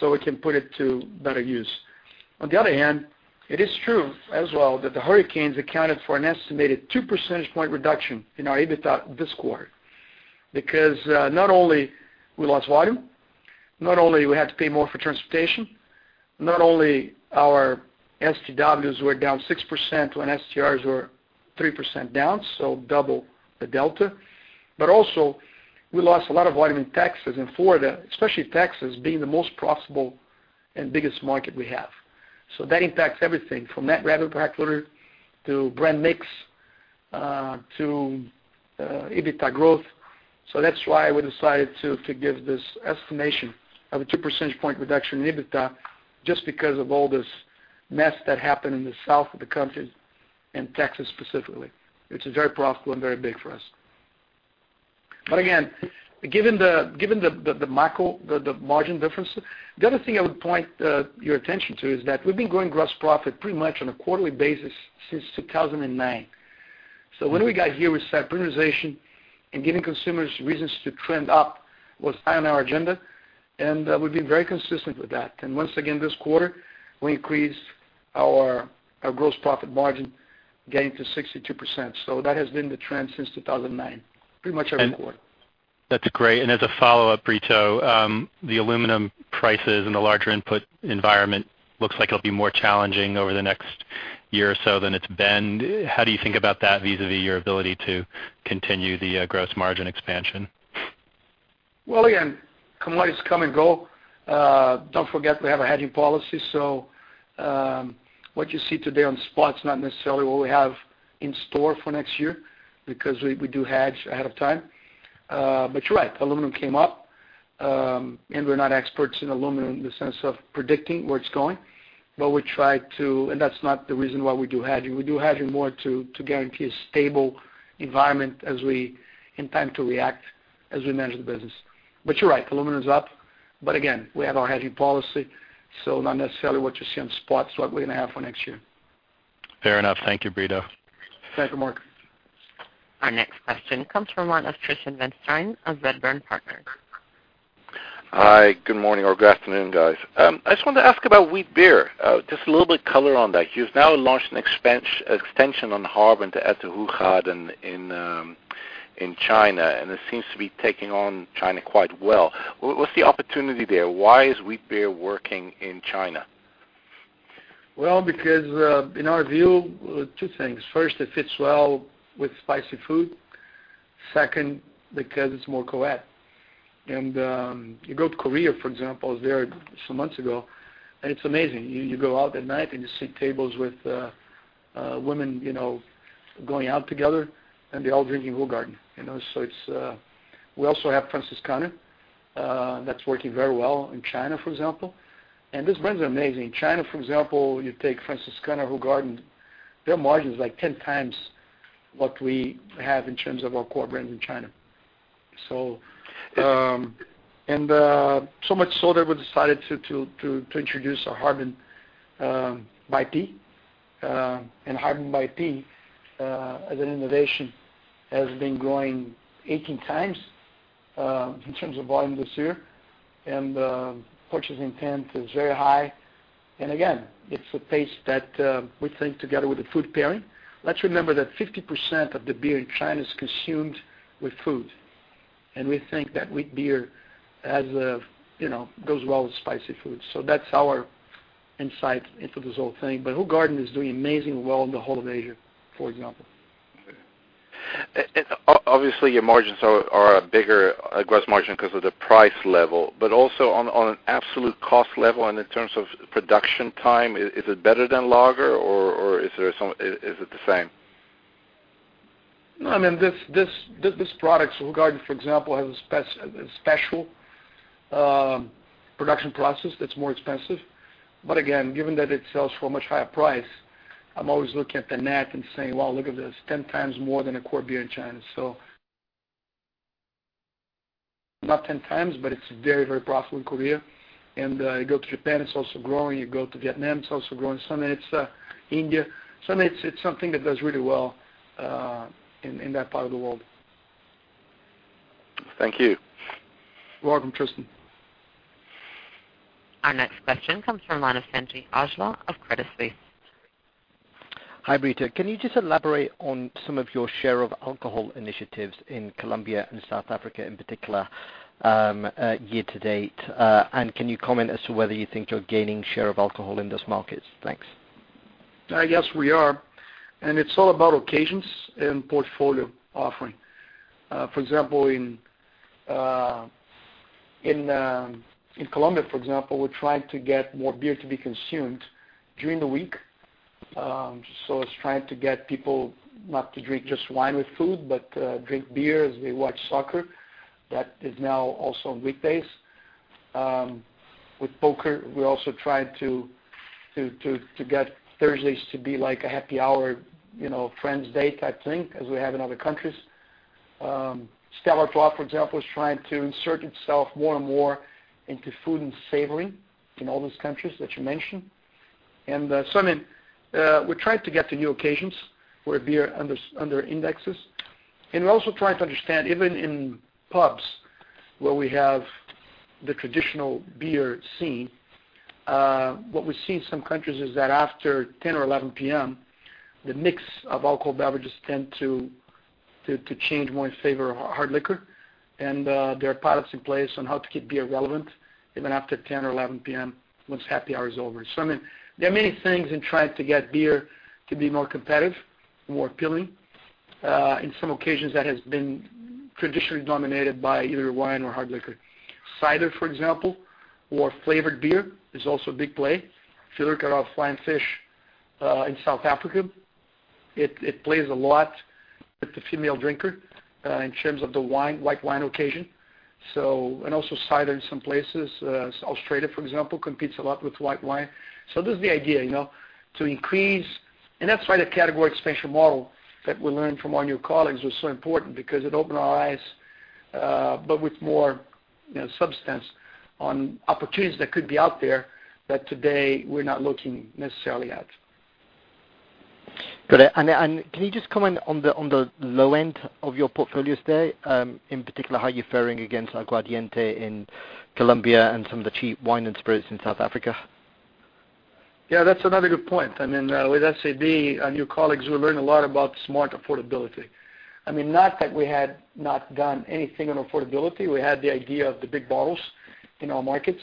so we can put it to better use. On the other hand, it is true as well that the hurricanes accounted for an estimated two percentage point reduction in our EBITDA this quarter. Not only we lost volume, not only we had to pay more for transportation, not only our STWs were down 6% when STRs were 3% down, so double the delta. Also we lost a lot of volume in Texas and Florida, especially Texas, being the most profitable and biggest market we have. That impacts everything from net revenue per hectoliter to brand mix, to EBITDA growth. That's why we decided to give this estimation of a 2 percentage point reduction in EBITDA just because of all this mess that happened in the south of the country and Texas specifically, which is very profitable and very big for us. Again, given the margin difference, the other thing I would point your attention to is that we've been growing gross profit pretty much on a quarterly basis since 2009. When we got here, we said prioritization and giving consumers reasons to trend up was high on our agenda, and we've been very consistent with that. Once again, this quarter, we increased our gross profit margin getting to 62%. That has been the trend since 2009, pretty much every quarter. That's great. As a follow-up, Brito, the aluminum prices and the larger input environment looks like it'll be more challenging over the next year or so than it's been. How do you think about that vis-a-vis your ability to continue the gross margin expansion? Well, again, commodities come and go. Don't forget, we have a hedging policy. What you see today on spot is not necessarily what we have in store for next year because we do hedge ahead of time. You're right, aluminum came up. We're not experts in aluminum in the sense of predicting where it's going. That's not the reason why we do hedging. We do hedging more to guarantee a stable environment in time to react as we manage the business. You're right, aluminum is up. Again, we have our hedging policy, so not necessarily what you see on spot is what we're going to have for next year. Fair enough. Thank you, Brito. Thank you, Mark. Our next question comes from line of Trevor Stirling of Redburn Partners. Hi, good morning, or good afternoon, guys. I just wanted to ask about wheat beer, just a little bit of color on that. You've now launched an extension on Harbin to Hoegaarden in China, and it seems to be taking on China quite well. What's the opportunity there? Why is wheat beer working in China? Because, in our view, two things. First, it fits well with spicy food. Second, it's more coed. You go to Korea, for example, I was there some months ago, it's amazing. You go out at night and you see tables with women going out together and they're all drinking Hoegaarden. We also have Franziskaner that's working very well in China, for example. This brand's amazing. China, for example, you take Franziskaner, Hoegaarden, their margin's like 10 times what we have in terms of our core brands in China. Much so that we decided to introduce a Harbin IPA. Harbin IPA as an innovation has been growing 18 times in terms of volume this year, purchase intent is very high. Again, it's a pace that we think together with the food pairing. Let's remember that 50% of the beer in China is consumed with food. We think that with beer, goes well with spicy food. That's our insight into this whole thing. Hoegaarden is doing amazingly well in the whole of Asia, for example. Okay. Obviously, your margins are a bigger gross margin because of the price level. Also on an absolute cost level and in terms of production time, is it better than lager or is it the same? These products, Hoegaarden, for example, has a special production process that's more expensive. Again, given that it sells for a much higher price, I'm always looking at the net and saying, "Wow, look at this." 10 times more than a core beer in China. Not 10 times, it's very profitable in Korea. You go to Japan, it's also growing. You go to Vietnam, it's also growing. India. It's something that does really well in that part of the world. Thank you. You're welcome, Trevor. Our next question comes from the line of Sanjeet Aujla of Credit Suisse. Hi, Brito. Can you just elaborate on some of your share of alcohol initiatives in Colombia and South Africa in particular year to date? Can you comment as to whether you think you're gaining share of alcohol in those markets? Thanks. I guess we are. It's all about occasions and portfolio offering. For example, in Colombia, we're trying to get more beer to be consumed during the week. It's trying to get people not to drink just wine with food, but drink beer as they watch soccer. That is now also on weekdays. With Poker, we also try to get Thursdays to be like a happy hour, friends date type thing as we have in other countries. Stella Artois, for example, is trying to insert itself more and more into food and savory in all those countries that you mentioned. We're trying to get to new occasions where beer under indexes. We're also trying to understand, even in pubs where we have the traditional beer scene, what we see in some countries is that after 10 or 11:00 P.M., the mix of alcohol beverages tend to change more in favor of hard liquor. There are pilots in place on how to keep beer relevant even after 10 or 11:00 P.M. once happy hour is over. There are many things in trying to get beer to be more competitive and more appealing. In some occasions, that has been traditionally dominated by either wine or hard liquor. Cider, for example, or flavored beer is also a big play. If you look at Flying Fish in South Africa, it plays a lot with the female drinker in terms of the white wine occasion. Also cider in some places. Australia, for example, competes a lot with white wine. This is the idea, to increase. That's why the category expansion model that we learned from our new colleagues was so important because it opened our eyes, but with more substance on opportunities that could be out there that today we're not looking necessarily at. Got it. Can you just comment on the low end of your portfolio stay, in particular, how you're faring against Aguardiente in Colombia and some of the cheap wine and spirits in South Africa? Yeah, that's another good point. With SAB, our new colleagues, we learn a lot about smart affordability. Not that we had not done anything on affordability. We had the idea of the big bottles in our markets.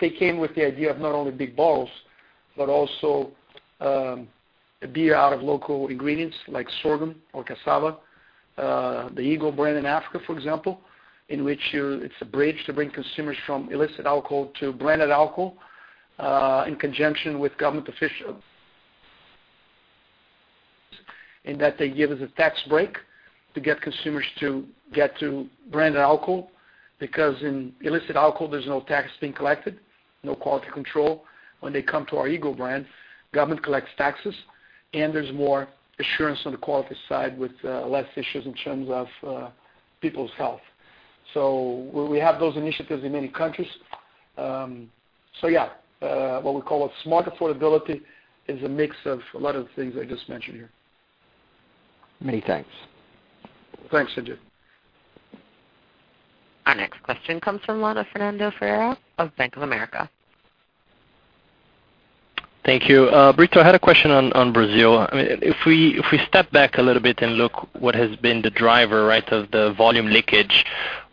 They came with the idea of not only big bottles, but also beer out of local ingredients like sorghum or cassava. The Eagle brand in Africa, for example, in which it's a bridge to bring consumers from illicit alcohol to branded alcohol, in conjunction with government officials. In that they give us a tax break to get consumers to get to branded alcohol, because in illicit alcohol, there's no tax being collected, no quality control. When they come to our Eagle brand, government collects taxes, and there's more assurance on the quality side with less issues in terms of people's health. We have those initiatives in many countries. Yeah. What we call a smart affordability is a mix of a lot of things I just mentioned here. Many thanks. Thanks, Sanjeet. Our next question comes from line of Fernando Ferreira of Bank of America. Thank you. Brito, I had a question on Brazil. If we step back a little bit and look what has been the driver of the volume leakage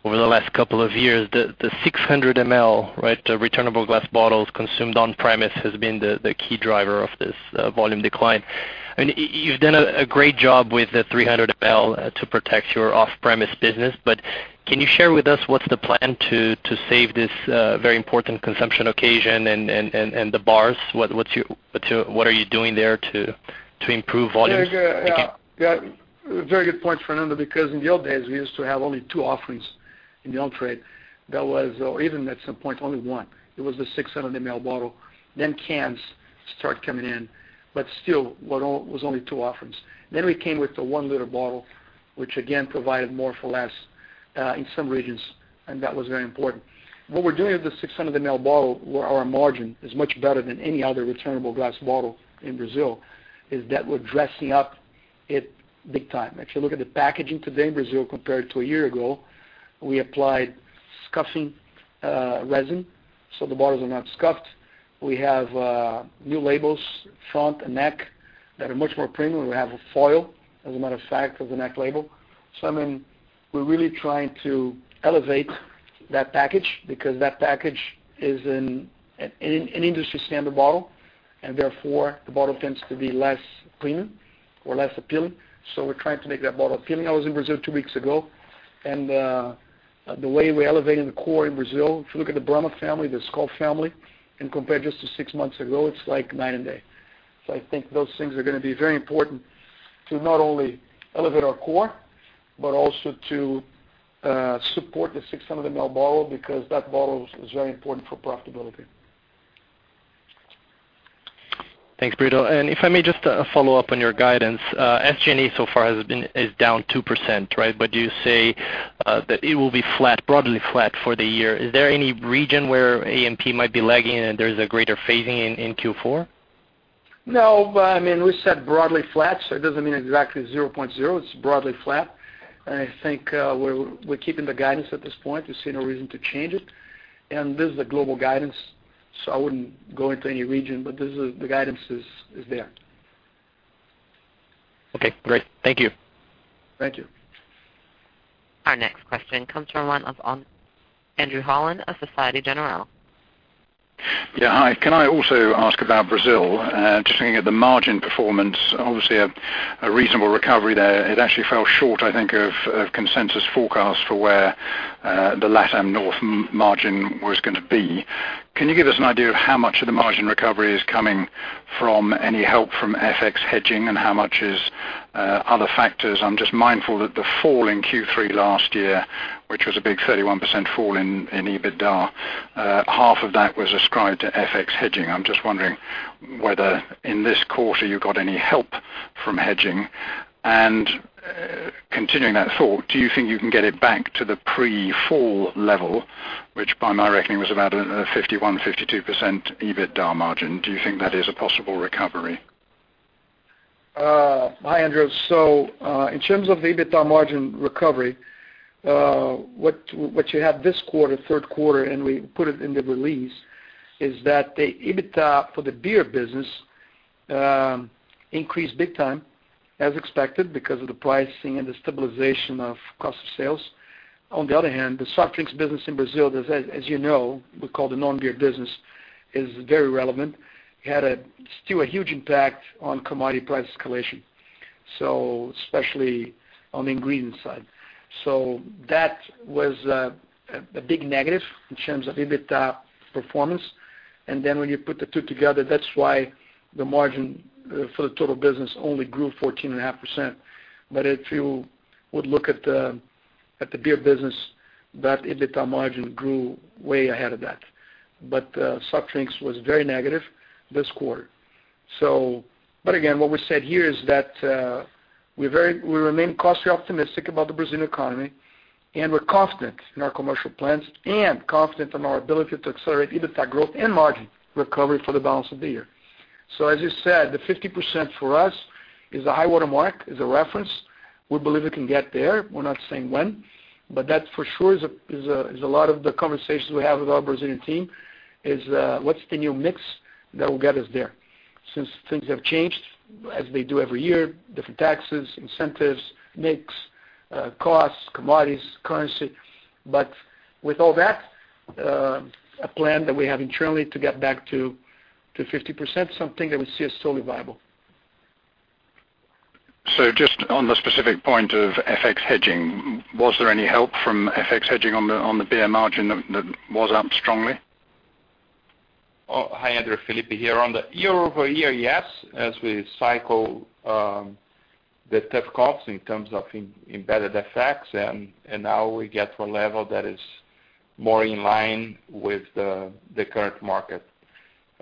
over the last couple of years, the 600 ml returnable glass bottles consumed on-premise has been the key driver of this volume decline. You've done a great job with the 300 ml to protect your off-premise business. Can you share with us what's the plan to save this very important consumption occasion and the bars? What are you doing there to improve volumes? Thank you. Yeah. Very good point, Fernando, because in the old days, we used to have only two offerings. In the on-trade, there was even at some point only one. It was the 600 ml bottle, then cans start coming in, but still it was only two offerings. We came with the one-liter bottle, which again provided more for less, in some regions, and that was very important. What we're doing with the 600 ml bottle, where our margin is much better than any other returnable glass bottle in Brazil, is that we're dressing up it big time. If you look at the packaging today in Brazil compared to a year ago, we applied scuffing resin, so the bottles are not scuffed. We have new labels, front and neck, that are much more premium. We have a foil, as a matter of fact, of the neck label. We're really trying to elevate that package because that package is an industry-standard bottle, and therefore the bottle tends to be less premium or less appealing. We're trying to make that bottle appealing. I was in Brazil two weeks ago, and the way we're elevating the core in Brazil. If you look at the Brahma family, the Skol family, and compare it just to six months ago, it's like night and day. I think those things are going to be very important to not only elevate our core, but also to support the 600 ml bottle because that bottle is very important for profitability. Thanks, Brito. If I may just follow up on your guidance. SG&A so far is down 2%, right? You say that it will be broadly flat for the year. Is there any region where A&P might be lagging and there's a greater phasing in Q4? No. We said broadly flat, it doesn't mean exactly 0.0. It's broadly flat. I think we're keeping the guidance at this point. We see no reason to change it. This is a global guidance, I wouldn't go into any region. The guidance is there. Okay, great. Thank you. Thank you. Our next question comes from the line of Andrew Holland of Societe Generale. Yeah, hi. Can I also ask about Brazil? Just looking at the margin performance, obviously a reasonable recovery there. It actually fell short, I think of consensus forecast for where the LatAm North margin was going to be. Can you give us an idea of how much of the margin recovery is coming from any help from FX hedging and how much is other factors? I'm just mindful that the fall in Q3 last year, which was a big 31% fall in EBITDA. Half of that was ascribed to FX hedging. I'm just wondering whether in this quarter you got any help from hedging and continuing that thought, do you think you can get it back to the pre-fall level, which by my reckoning was about a 51%, 52% EBITDA margin? Do you think that is a possible recovery? Hi, Andrew. In terms of the EBITDA margin recovery, what you have this quarter, third quarter, and we put it in the release, is that the EBITDA for the beer business increased big time as expected because of the pricing and the stabilization of cost of sales. On the other hand, the soft drinks business in Brazil, as you know, we call the non-beer business, is very relevant. It had still a huge impact on commodity price escalation, especially on the ingredient side. That was a big negative in terms of EBITDA performance. When you put the two together, that's why the margin for the total business only grew 14.5%. If you would look at the beer business, that EBITDA margin grew way ahead of that. Soft drinks was very negative this quarter. Again, what we said here is that we remain cautiously optimistic about the Brazilian economy, and we're confident in our commercial plans and confident in our ability to accelerate EBITDA growth and margin recovery for the balance of the year. As you said, the 50% for us is a high-water mark, is a reference. We believe we can get there. We're not saying when, but that for sure is a lot of the conversations we have with our Brazilian team is, what's the new mix that will get us there? Since things have changed as they do every year, different taxes, incentives, mix, costs, commodities, currency. With all that, a plan that we have internally to get back to 50%, something that we see as totally viable. Just on the specific point of FX hedging, was there any help from FX hedging on the beer margin that was up strongly? Hi, Andrew. Felipe here. On the year-over-year, yes, as we cycle the tough comps in terms of embedded FX and now we get to a level that is more in line with the current market.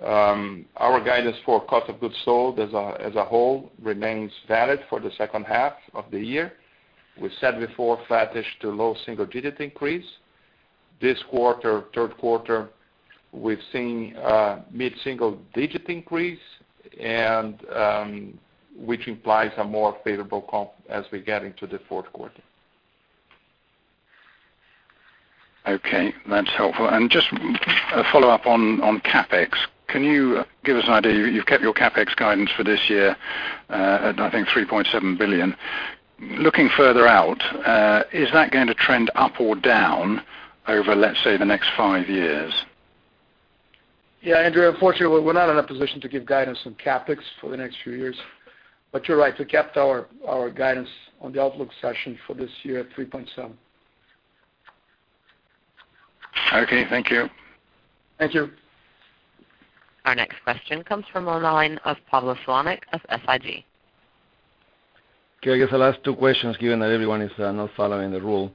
Our guidance for cost of goods sold as a whole remains valid for the second half of the year. We said before flattish to low single-digit increase. This quarter, third quarter, we've seen a mid-single-digit increase, which implies a more favorable comp as we get into the fourth quarter. Okay. That's helpful. Just a follow-up on CapEx. Can you give us an idea? You've kept your CapEx guidance for this year at I think 3.7 billion. Looking further out, is that going to trend up or down over, let's say, the next five years? Yeah, Andrew, unfortunately, we're not in a position to give guidance on CapEx for the next few years. You're right, we kept our guidance on the outlook session for this year at 3.7 billion. Okay. Thank you. Thank you. Our next question comes from the line of Pablo Zuanic of SIG. I guess the last two questions, given that everyone is not following the rule.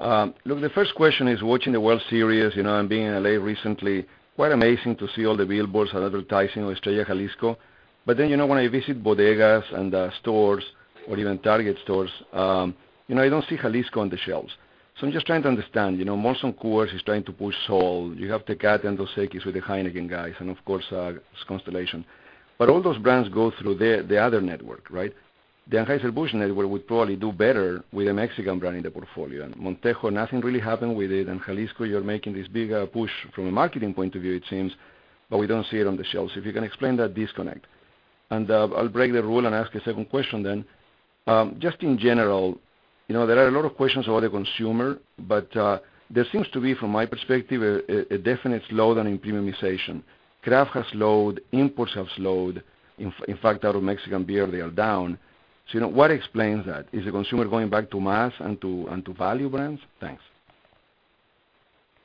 Look, the first question is watching the World Series, and being in L.A. recently, quite amazing to see all the billboards advertising with Estrella Jalisco. When I visit bodegas and stores or even Target stores, I don't see Jalisco on the shelves. I'm just trying to understand. Molson Coors is trying to push Sol. You have Tecate and Dos Equis with the Heineken guys, and of course, Constellation. All those brands go through the other network, right? The Anheuser-Busch network would probably do better with a Mexican brand in the portfolio. Montejo, nothing really happened with it. Jalisco, you're making this big push from a marketing point of view, it seems, but we don't see it on the shelves. If you can explain that disconnect. I'll break the rule and ask a second question then. In general, there are a lot of questions about the consumer, but there seems to be, from my perspective, a definite slowdown in premiumization. Craft has slowed, imports have slowed. In fact, out of Mexican beer, they are down. What explains that? Is the consumer going back to mass and to value brands? Thanks.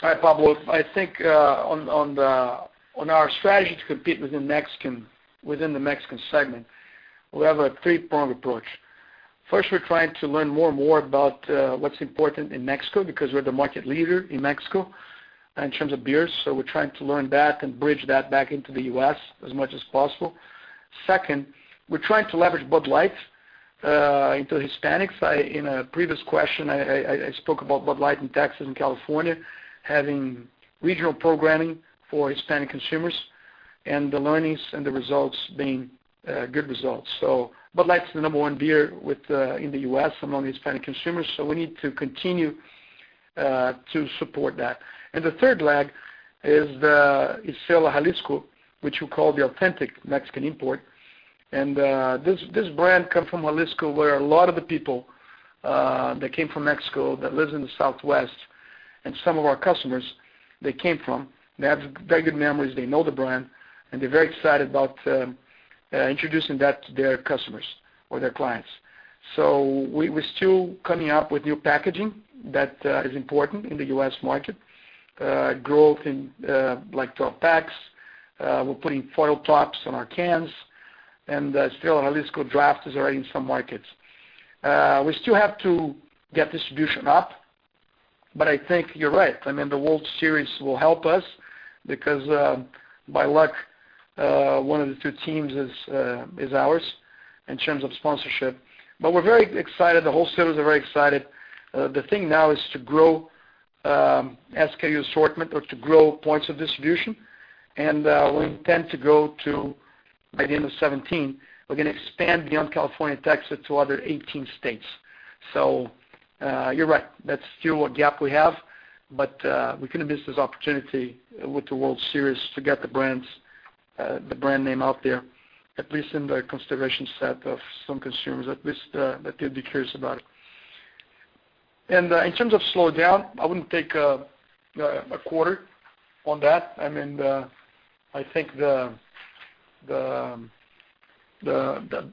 Hi, Pablo. I think on our strategy to compete within the Mexican segment, we have a three-pronged approach. First, we're trying to learn more and more about what's important in Mexico because we're the market leader in Mexico in terms of beer. We're trying to learn that and bridge that back into the U.S. as much as possible. Second, we're trying to leverage Bud Light into Hispanics. In a previous question, I spoke about Bud Light in Texas and California having regional programming for Hispanic consumers, and the learnings and the results being good results. Bud Light's the number one beer in the U.S. among Hispanic consumers, so we need to continue to support that. The third leg is Estrella Jalisco, which we call the authentic Mexican import. This brand comes from Jalisco, where a lot of the people that came from Mexico that live in the Southwest, and some of our customers, they came from. They have very good memories, they know the brand, and they're very excited about introducing that to their customers or their clients. We're still coming up with new packaging that is important in the U.S. market. Growth in 12-packs. We're putting foil tops on our cans, and Estrella Jalisco draft is already in some markets. We still have to get distribution up, but I think you're right. The World Series will help us because by luck, one of the two teams is ours in terms of sponsorship. We're very excited. The wholesalers are very excited. The thing now is to grow SKU assortment or to grow points of distribution. We intend to go to, by the end of 2017, we're going to expand beyond California and Texas to other 18 states. You're right. That's still a gap we have, but we couldn't miss this opportunity with the World Series to get the brand name out there, at least in the consideration set of some consumers, at least that they'd be curious about it. In terms of slowdown, I wouldn't take a quarter on that. I think the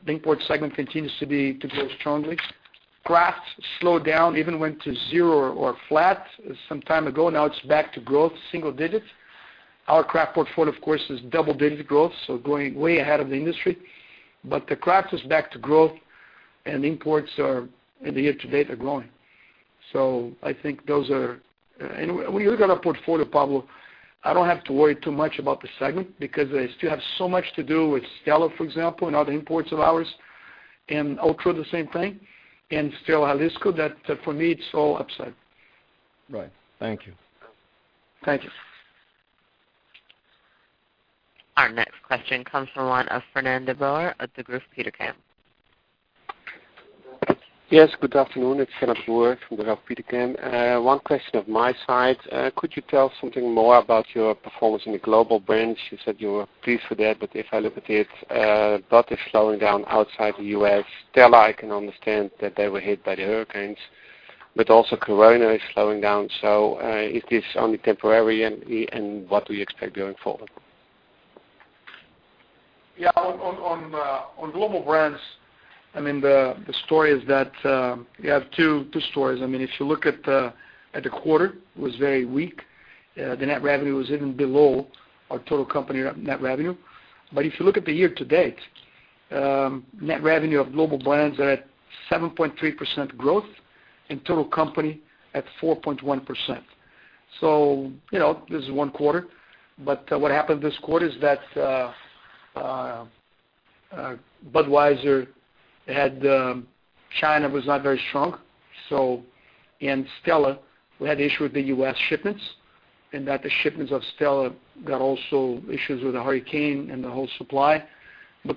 import segment continues to grow strongly. Craft slowed down, even went to zero or flat some time ago. Now it's back to growth, single digits. Our craft portfolio, of course, is double-digit growth, so going way ahead of the industry. The craft is back to growth and imports are, in the year-to-date, are growing. I think when you look at our portfolio, Pablo, I don't have to worry too much about the segment because I still have so much to do with Stella, for example, and other imports of ours, and Ultra, the same thing. Estrella Jalisco, that for me, it's all upside. Right. Thank you. Thank you. Our next question comes from one of Fernand de Boer of Degroof Petercam. Yes, good afternoon. It's Fernand de Boer from Degroof Petercam. One question of my side. Could you tell something more about your performance in the global brands? You said you were pleased with that, but if I look at it, Bud is slowing down outside the U.S. Stella, I can understand that they were hit by the hurricanes, but Corona is slowing down. Is this only temporary, and what do you expect going forward? On global brands, the story is that you have two stories. If you look at the quarter, it was very weak. The net revenue was even below our total company net revenue. If you look at the year-to-date, net revenue of global brands are at 7.3% growth and total company at 4.1%. This is one quarter, but what happened this quarter is that Budweiser had China was not very strong. Stella, we had issue with the U.S. shipments, and that the shipments of Stella got also issues with the hurricane and the whole supply.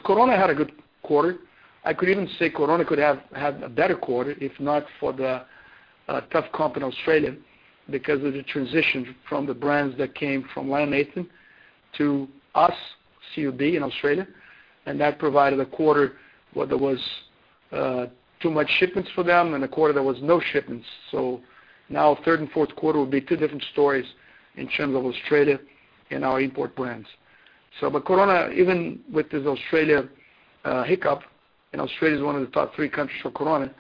Corona had a good quarter. I could even say Corona could have had a better quarter, if not for the tough comp in Australia because of the transition from the brands that came from Lion Nathan to us, CUB in Australia. That provided a quarter where there was too much shipments for them and a quarter there was no shipments. Now third and fourth quarter will be two different stories in terms of Australia and our import brands. Corona, even with this Australia hiccup, and Australia is one of the top three countries for Corona,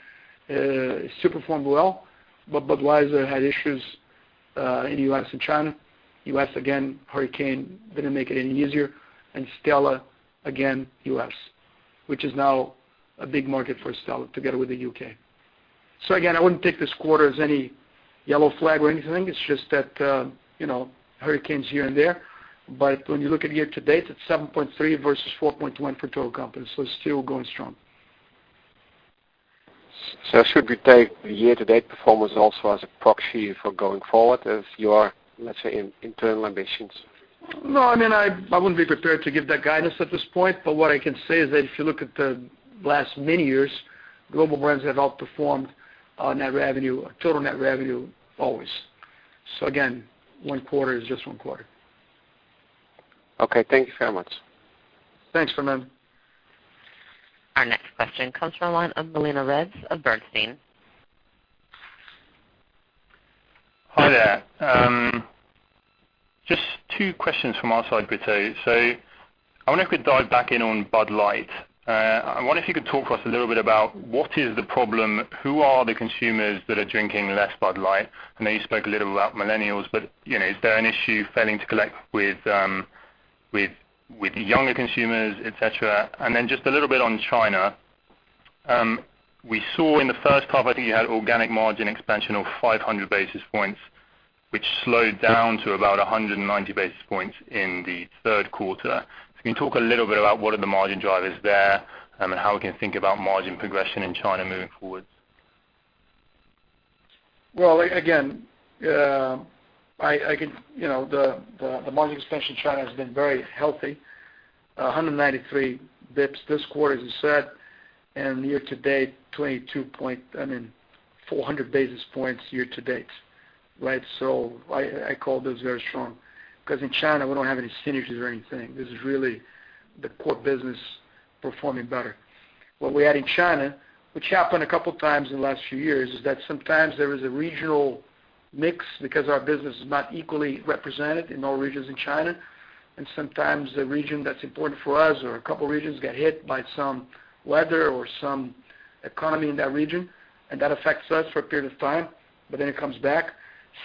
still performed well. Budweiser had issues in U.S. and China. U.S. again, hurricane didn't make it any easier. Stella, again, U.S., which is now a big market for Stella together with the U.K. Again, I wouldn't take this quarter as any yellow flag or anything. It's just that, hurricanes here and there, but when you look at year-to-date, it's 7.3 versus 4.1 for total company, it's still going strong. Should we take the year-to-date performance also as a proxy for going forward as your, let's say, internal ambitions? No, I wouldn't be prepared to give that guidance at this point. What I can say is that if you look at the last many years, global brands have outperformed net revenue, total net revenue always. Again, one quarter is just one quarter. Okay. Thank you very much. Thanks, Fernand. Our next question comes from the line of Milena Ritz of Bernstein. Hi there. Just two questions from our side, Brito. I wonder if we could dive back in on Bud Light. I wonder if you could talk to us a little bit about what is the problem, who are the consumers that are drinking less Bud Light? I know you spoke a little about millennials, but is there an issue failing to connect with younger consumers, et cetera? Just a little bit on China. We saw in the first half, I think you had organic margin expansion of 500 basis points, which slowed down to about 190 basis points in the third quarter. Can you talk a little bit about what are the margin drivers there and how we can think about margin progression in China moving forward? Well, again, the margin expansion in China has been very healthy. 193 basis points this quarter, as you said, and year to date, 400 basis points year to date, right? I call this very strong because in China, we don't have any synergies or anything. This is really the core business performing better. What we had in China, which happened a couple of times in the last few years, is that sometimes there is a regional mix because our business is not equally represented in all regions in China. Sometimes the region that's important for us or a couple of regions get hit by some weather or some economy in that region, and that affects us for a period of time, but then it comes back.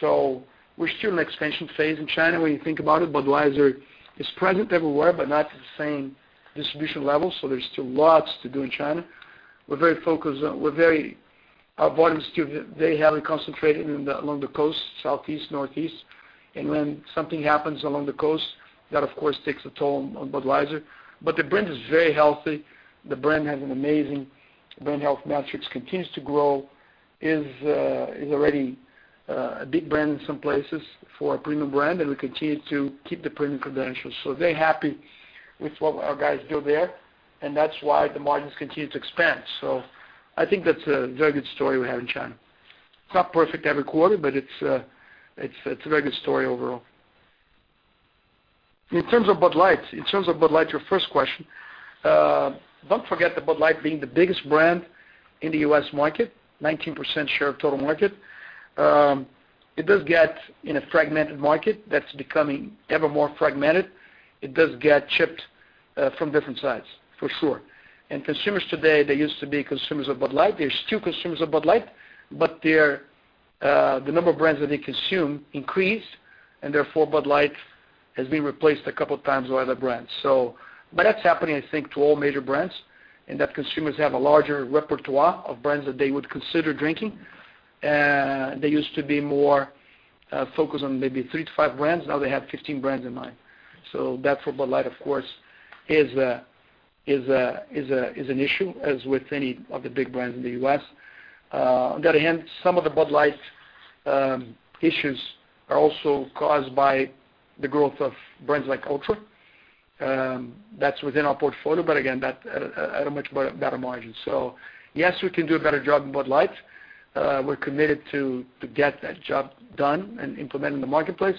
We're still in expansion phase in China when you think about it. Budweiser is present everywhere, but not to the same distribution level. There's still lots to do in China. Our volume is still very heavily concentrated along the coast, southeast, northeast. When something happens along the coast, that of course takes a toll on Budweiser. The brand is very healthy. The brand has an amazing brand health metrics, continues to grow, is already a big brand in some places for a premium brand, and we continue to keep the premium credentials. Very happy with what our guys do there, and that's why the margins continue to expand. I think that's a very good story we have in China. It's not perfect every quarter, but it's a very good story overall. In terms of Bud Light, your first question, don't forget that Bud Light being the biggest brand in the U.S. market, 19% share of total market. It does get in a fragmented market that's becoming ever more fragmented. It does get chipped from different sides, for sure. Consumers today, they used to be consumers of Bud Light. They're still consumers of Bud Light, but the number of brands that they consume increased, and therefore, Bud Light has been replaced a couple of times by other brands. That's happening, I think, to all major brands, in that consumers have a larger repertoire of brands that they would consider drinking. They used to be more focused on maybe three to five brands. Now they have 15 brands in mind. That for Bud Light, of course, is an issue, as with any of the big brands in the U.S. On the other hand, some of the Bud Light issues are also caused by the growth of brands like ULTRA. That's within our portfolio, but again, at a much better margin. Yes, we can do a better job in Bud Light. We're committed to get that job done and implement in the marketplace.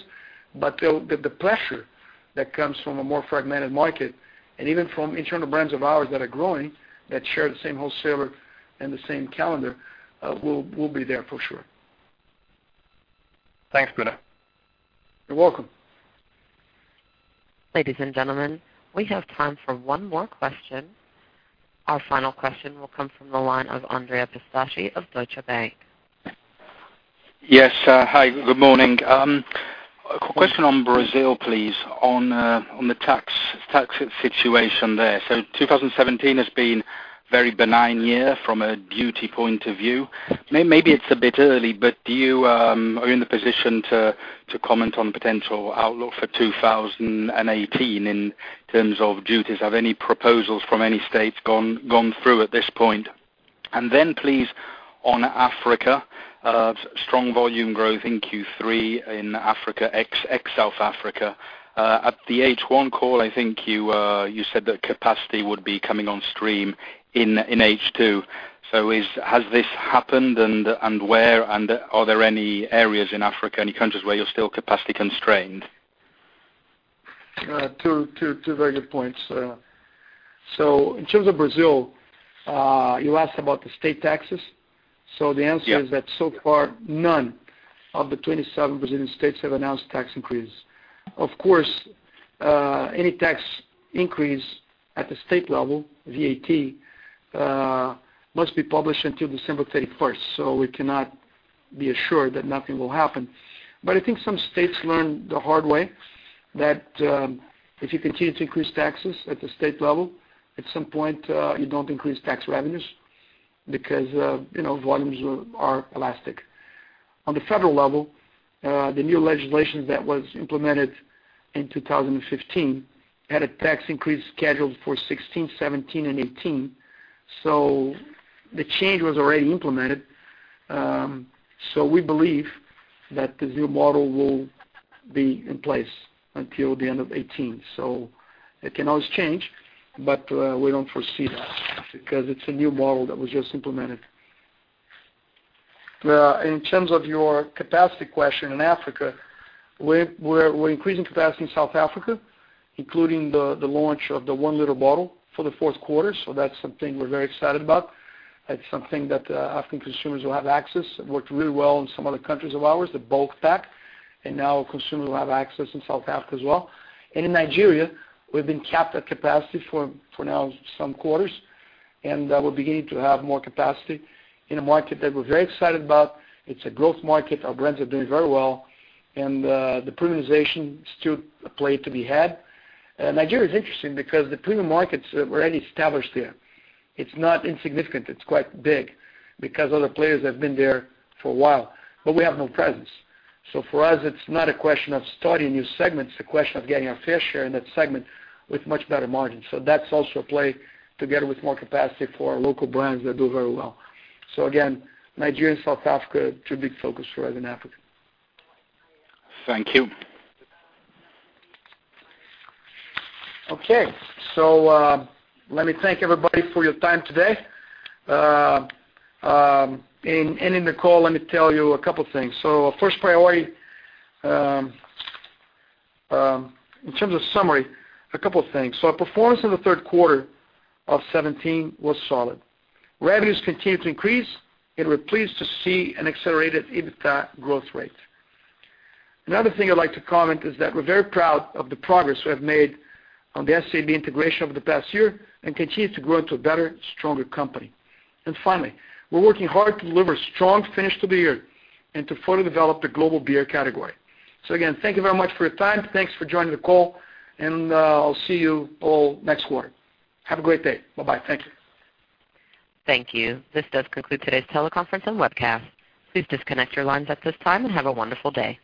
The pressure that comes from a more fragmented market, and even from internal brands of ours that are growing, that share the same wholesaler and the same calendar, will be there for sure. Thanks, Brito. You're welcome. Ladies and gentlemen, we have time for one more question. Our final question will come from the line of Andrea Pistacchi of Deutsche Bank. Yes. Hi, good morning. A question on Brazil, please, on the tax situation there. 2017 has been a very benign year from a duty point of view. Maybe it's a bit early, but are you in the position to comment on potential outlook for 2018 in terms of duties? Have any proposals from any states gone through at this point? Please, on Africa, strong volume growth in Q3 in Africa, ex-South Africa. At the H1 call, I think you said that capacity would be coming on stream in H2. Has this happened and where, and are there any areas in Africa, any countries where you're still capacity constrained? Two very good points. In terms of Brazil, you asked about the state taxes. The answer- Yeah is that so far, none of the 27 Brazilian states have announced tax increase. Of course, any tax increase at the state level, ICMS, must be published until December 31st. We cannot be assured that nothing will happen. I think some states learn the hard way, that if you continue to increase taxes at the state level, at some point, you don't increase tax revenues because volumes are elastic. On the federal level, the new legislation that was implemented in 2015 had a tax increase scheduled for 2016, 2017, and 2018. The change was already implemented. We believe that the new model will be in place until the end of 2018. It can always change, but we don't foresee that because it's a new model that was just implemented. In terms of your capacity question in Africa, we're increasing capacity in South Africa, including the launch of the one-liter bottle for the fourth quarter, that's something we're very excited about. That's something that African consumers will have access. It worked really well in some other countries of ours, the bulk pack, now consumers will have access in South Africa as well. In Nigeria, we've been capped at capacity for now some quarters, we're beginning to have more capacity in a market that we're very excited about. It's a growth market. Our brands are doing very well, the premiumization is still a play to be had. Nigeria's interesting because the premium markets are already established there. It's not insignificant. It's quite big because other players have been there for a while, but we have no presence. For us, it's not a question of starting new segments. It's a question of getting our fair share in that segment with much better margins. That's also a play together with more capacity for our local brands that do very well. Again, Nigeria and South Africa, two big focus for us in Africa. Thank you. Let me thank everybody for your time today. In ending the call, let me tell you a couple things. First priority, in terms of summary, a couple of things. Our performance in the third quarter of 2017 was solid. Revenues continued to increase, and we're pleased to see an accelerated EBITDA growth rate. Another thing I'd like to comment is that we're very proud of the progress we have made on the SABMiller integration over the past year and continue to grow into a better, stronger company. Finally, we're working hard to deliver strong finish to the year and to further develop the global beer category. Again, thank you very much for your time. Thanks for joining the call, and I'll see you all next quarter. Have a great day. Bye-bye. Thank you. Thank you. This does conclude today's teleconference and webcast. Please disconnect your lines at this time and have a wonderful day.